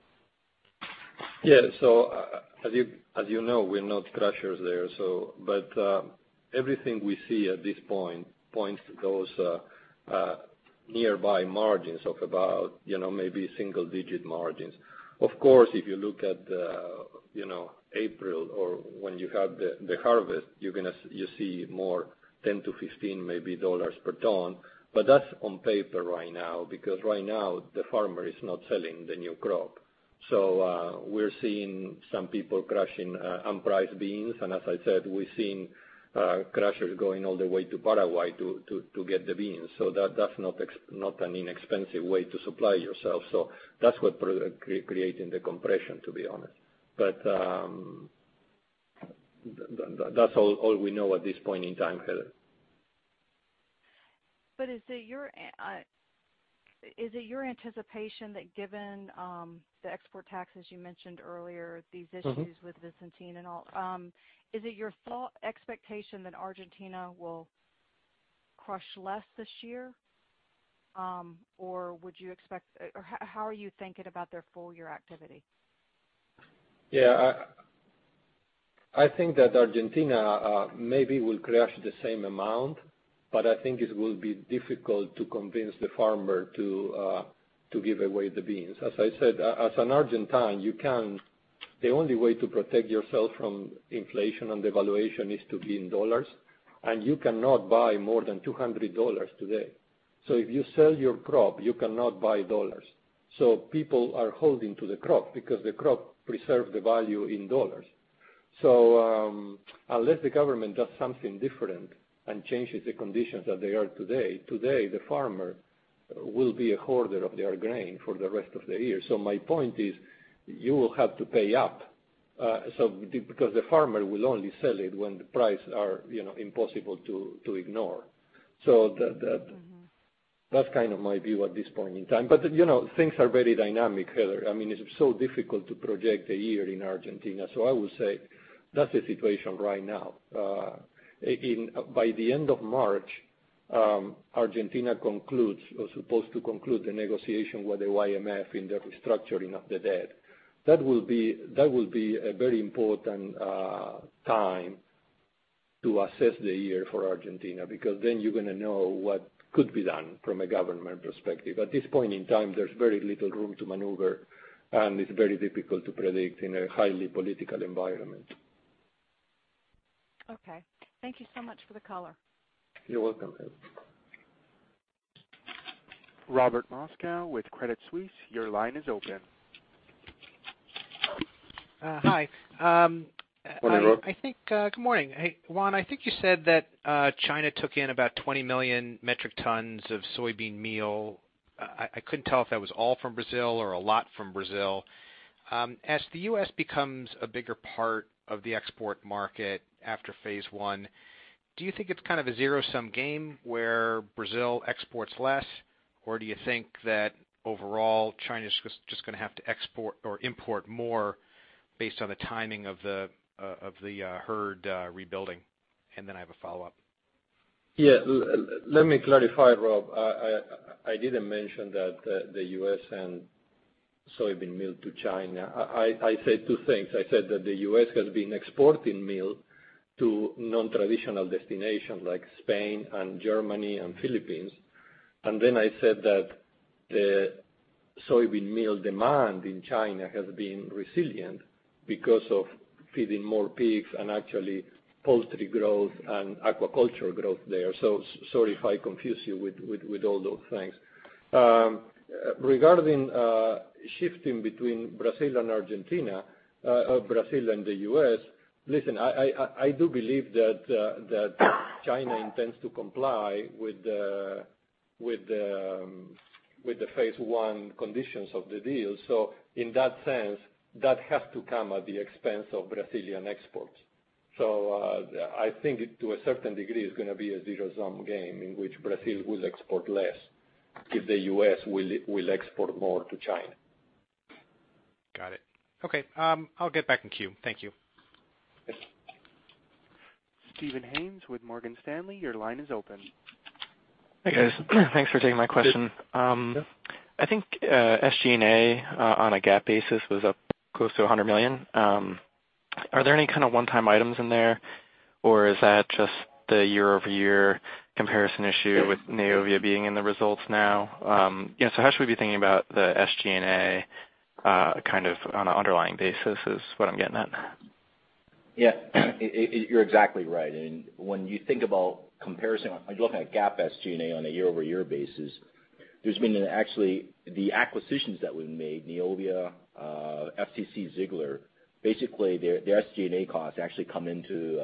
Yeah. As you know, we're not crushers there. Everything we see at this point points to those nearby margins of about maybe single-digit margins. Of course, if you look at April or when you have the harvest, you see more $10-$15 maybe dollars per ton. That's on paper right now, because right now the farmer is not selling the new crop. We're seeing some people crushing unpriced beans, and as I said, we're seeing crushers going all the way to Paraguay to get the beans. That's not an inexpensive way to supply yourself. That's what creating the compression, to be honest. That's all we know at this point in time, Heather. Is it your anticipation that given the export taxes you mentioned earlier, these issues with Vicentin and all, is it your expectation that Argentina will crush less this year? How are you thinking about their full-year activity? Yeah. I think that Argentina maybe will crush the same amount, but I think it will be difficult to convince the farmer to give away the beans. As I said, as an Argentine, the only way to protect yourself from inflation and devaluation is to be in dollars, and you cannot buy more than $200 today. If you sell your crop, you cannot buy dollars. People are holding to the crop because the crop preserves the value in dollars. Unless the government does something different and changes the conditions that they are today the farmer will be a hoarder of their grain for the rest of the year. My point is, you will have to pay up, because the farmer will only sell it when the price are impossible to ignore. That's kind of my view at this point in time. Things are very dynamic, Heather. It's so difficult to project a year in Argentina. I would say that's the situation right now. By the end of March, Argentina concludes or supposed to conclude the negotiation with the IMF in the restructuring of the debt. That will be a very important time to assess the year for Argentina, because then you're going to know what could be done from a government perspective. At this point in time, there's very little room to maneuver, and it's very difficult to predict in a highly political environment. Okay. Thank you so much for the call. You're welcome, Heather. Robert Moskow with Credit Suisse, your line is open. Hi. Good morning, Rob. Good morning. Juan, I think you said that China took in about 20 million metric tons of soybean meal. I couldn't tell if that was all from Brazil or a lot from Brazil. As the U.S. becomes a bigger part of the export market after Phase One, do you think it's kind of a zero-sum game where Brazil exports less? Or do you think that overall China's just going to have to export or import more based on the timing of the herd rebuilding? I have a follow-up. Yeah. Let me clarify, Rob. I didn't mention that the U.S. and soybean meal to China. I said two things. I said that the U.S. has been exporting meal to non-traditional destinations like Spain and Germany and Philippines. I said that the soybean meal demand in China has been resilient because of feeding more pigs and actually poultry growth and aquaculture growth there. Sorry if I confused you with all those things. Regarding shifting between Brazil and Argentina, or Brazil and the U.S., listen, I do believe that China intends to comply with the Phase One conditions of the deal. In that sense, that has to come at the expense of Brazilian exports. I think to a certain degree, it's going to be a zero-sum game in which Brazil will export less if the U.S. will export more to China. Got it. Okay. I'll get back in queue. Thank you. Steven Haynes with Morgan Stanley, your line is open. Hi, guys. Thanks for taking my question. Yes. I think, SG&A, on a GAAP basis, was up close to $100 million. Are there any kind of one-time items in there? Is that just the year-over-year comparison issue with Neovia being in the results now? How should we be thinking about the SG&A kind of on an underlying basis, is what I'm getting at. Yeah. You're exactly right. When you think about comparison, if you look at GAAP SG&A on a year-over-year basis, there's been actually the acquisitions that we've made, Neovia, FCC, Ziegler. Basically, their SG&A costs actually come into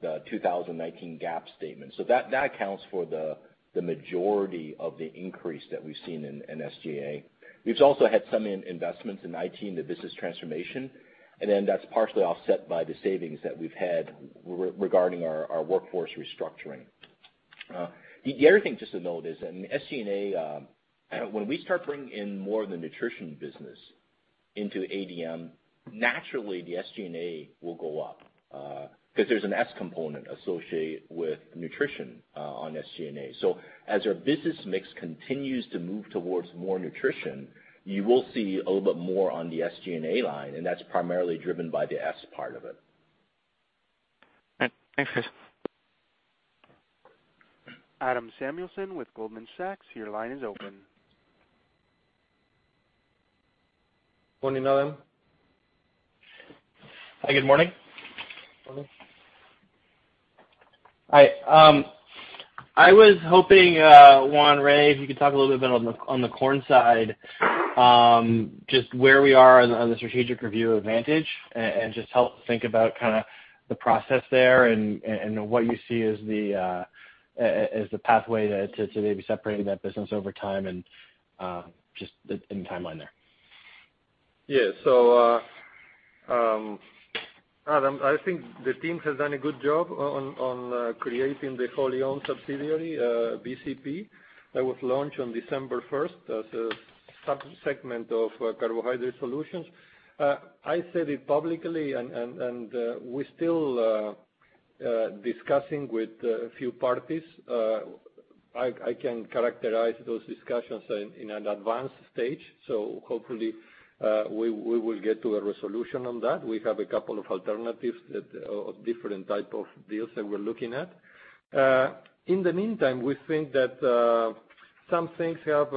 the 2019 GAAP statement. That accounts for the majority of the increase that we've seen in SG&A. We've also had some investments in IT and the business transformation, and then that's partially offset by the savings that we've had regarding our workforce restructuring. The other thing just to note is in SG&A, when we start bringing in more of the nutrition business into ADM, naturally the SG&A will go up, because there's an S component associated with nutrition on SG&A. As our business mix continues to move towards more nutrition, you will see a little bit more on the SG&A line, and that's primarily driven by the S part of it. Thanks. Adam Samuelson with Goldman Sachs, your line is open. Morning, Adam. Hi, good morning. Morning. Hi. I was hoping, Juan or Ray, if you could talk a little bit on the corn side, just where we are on the strategic review Vantage Corn Processors, and just help think about kind of the process there and what you see as the pathway to maybe separating that business over time and just any timeline there. Adam, I think the team has done a good job on creating the wholly owned subsidiary, BCP, that was launched on December 1st as a sub-segment of Carbohydrate Solutions. I said it publicly, we're still discussing with a few parties. I can characterize those discussions in an advanced stage, hopefully, we will get to a resolution on that. We have a couple of alternatives of different type of deals that we're looking at. In the meantime, we think that some things have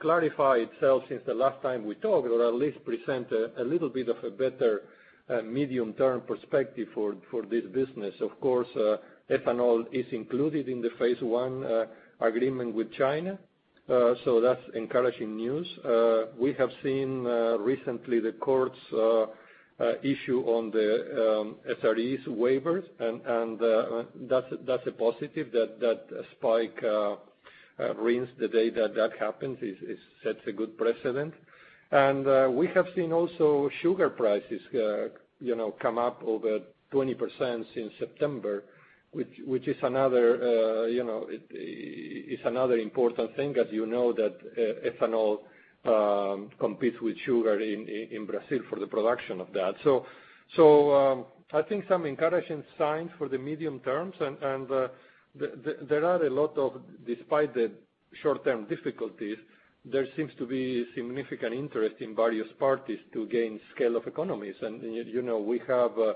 clarified itself since the last time we talked, or at least present a little bit of a better medium-term perspective for this business. Of course, ethanol is included in the Phase One agreement with China. That's encouraging news. We have seen recently the courts issue on the SREs waivers, that's a positive. That spike in the day that that happens sets a good precedent. We have seen also sugar prices come up over 20% since September, which is another important thing, as you know, that ethanol competes with sugar in Brazil for the production of that. I think some encouraging signs for the medium term. There are a lot of, despite the short-term difficulties, there seems to be significant interest in various parties to gain scale of economies. We have two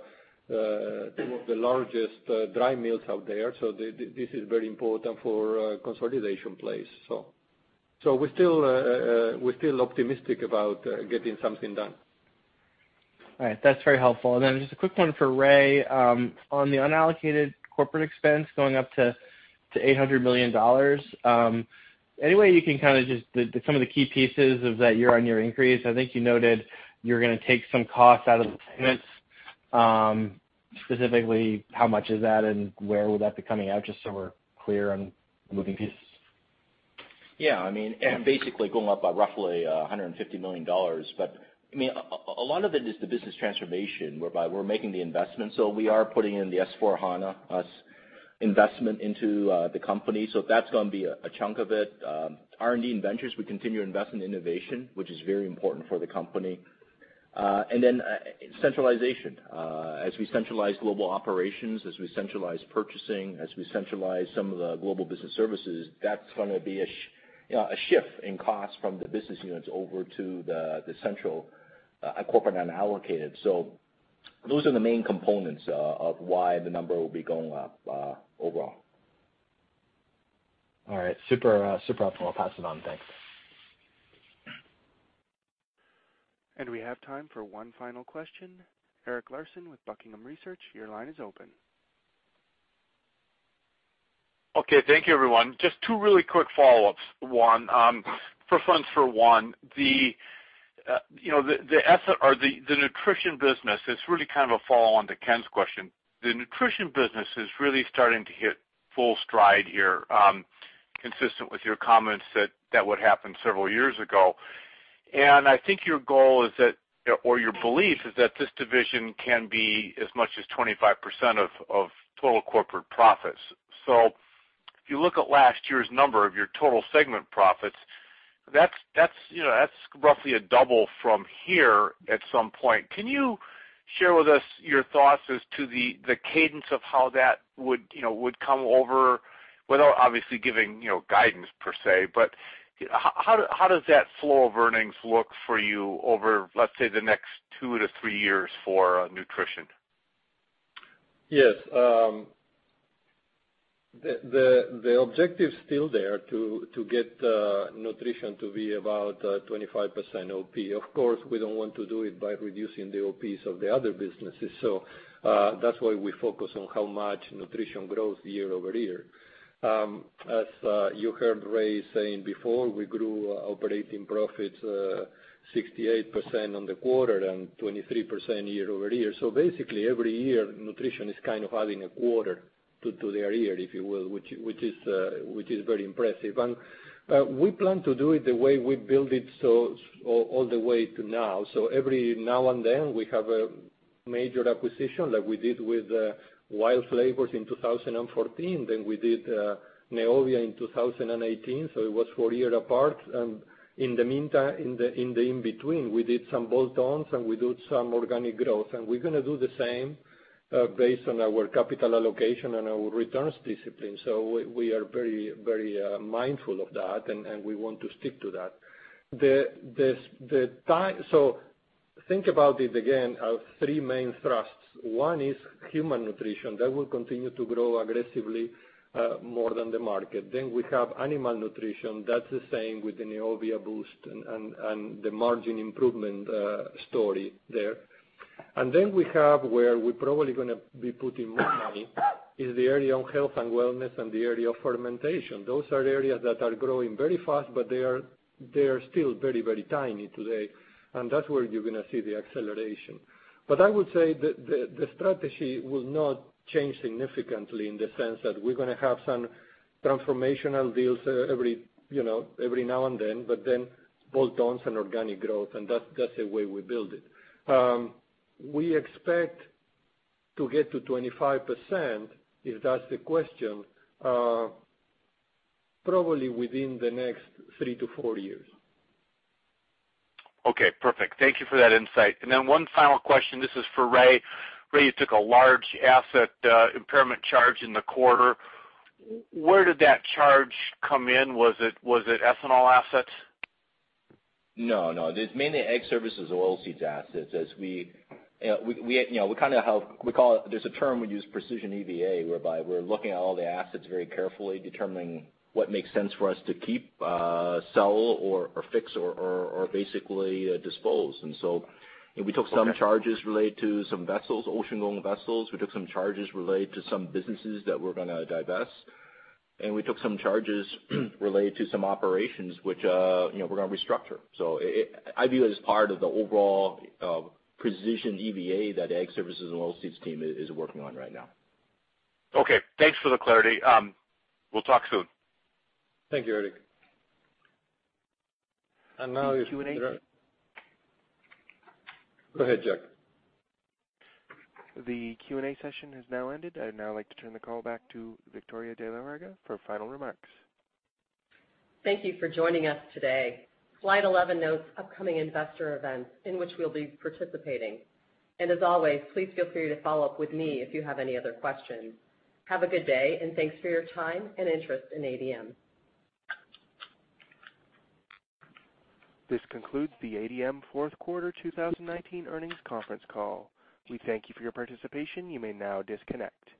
of the largest dry mills out there, this is very important for consolidation play. We're still optimistic about getting something done. All right. That's very helpful. Just a quick one for Ray. On the unallocated corporate expense going up to $800 million, any way you can kind of just, some of the key pieces of that year-on-year increase? I think you noted you're going to take some costs out of the tenants. Specifically, how much is that and where would that be coming out, just so we're clear on moving pieces? Yeah. Basically going up by roughly $150 million. A lot of it is the business transformation, whereby we're making the investment. We are putting in the S/4HANA investment into the company. That's going to be a chunk of it. R&D and ventures, we continue to invest in innovation, which is very important for the company. Centralization. As we centralize global operations, as we centralize purchasing, as we centralize some of the global business services, that's going to be a shift in costs from the business units over to the central corporate unallocated. Those are the main components of why the number will be going up overall. All right. Super helpful. I'll pass it on. Thanks. We have time for one final question. Eric Larson with Buckingham Research, your line is open. Okay, thank you, everyone. Just two really quick follow-ups. For Juan, the nutrition business, it's really kind of a follow-on to Ken's question. The nutrition business is really starting to hit full stride here, consistent with your comments that that would happen several years ago. I think your goal or your belief is that this division can be as much as 25% of total corporate profits. If you look at last year's number of your total segment profits, that's roughly a double from here at some point. Can you share with us your thoughts as to the cadence of how that would come over without obviously giving guidance per se, but how does that flow of earnings look for you over, let's say, the next two to three years for nutrition? Yes. The objective's still there to get nutrition to be about 25% OP. Of course, we don't want to do it by reducing the OPs of the other businesses. That's why we focus on how much nutrition grows year-over-year. As you heard Ray saying before, we grew operating profits 68% on the quarter and 23% year-over-year. Basically, every year, nutrition is kind of adding a quarter to their year, if you will, which is very impressive. We plan to do it the way we built it all the way to now. Every now and then, we have a major acquisition like we did with WILD Flavors in 2014, we did Neovia in 2018, it was four year apart. In the meantime, in the in-between, we did some bolt-ons and we do some organic growth. We're going to do the same based on our capital allocation and our returns discipline. We are very mindful of that, and we want to stick to that. Think about it again, our three main thrusts. One is human nutrition. That will continue to grow aggressively more than the market. We have animal nutrition. That's the same with the Neovia boost and the margin improvement story there. We have where we're probably going to be putting more money, is the area on health and wellness and the area of fermentation. Those are areas that are growing very fast, but they are still very tiny today. That's where you're going to see the acceleration. I would say the strategy will not change significantly in the sense that we're going to have some transformational deals every now and then, but then bolt-ons and organic growth, and that's the way we build it. We expect to get to 25%, if that's the question, probably within the next three to four years. Okay, perfect. Thank you for that insight. One final question. This is for Ray. Ray, you took a large asset impairment charge in the quarter. Where did that charge come in? Was it ethanol assets? No. It's mainly Ag Services & Oilseeds assets. There's a term we use, precision EVA, whereby we're looking at all the assets very carefully, determining what makes sense for us to keep, sell or fix or basically dispose. We took some charges related to some vessels, ocean-going vessels. We took some charges related to some businesses that we're going to divest. We took some charges related to some operations which we're going to restructure. I view it as part of the overall precision EVA that Ag Services & Oilseeds team is working on right now. Okay, thanks for the clarity. We'll talk soon. Thank you, Eric. Q&A- Go ahead, Jack. The Q&A session has now ended. I'd now like to turn the call back to Victoria de la Huerga for final remarks. Thank you for joining us today. Slide 11 notes upcoming investor events in which we'll be participating. As always, please feel free to follow up with me if you have any other questions. Have a good day, and thanks for your time and interest in ADM. This concludes the ADM Fourth Quarter 2019 Earnings Conference Call. We thank you for your participation. You may now disconnect.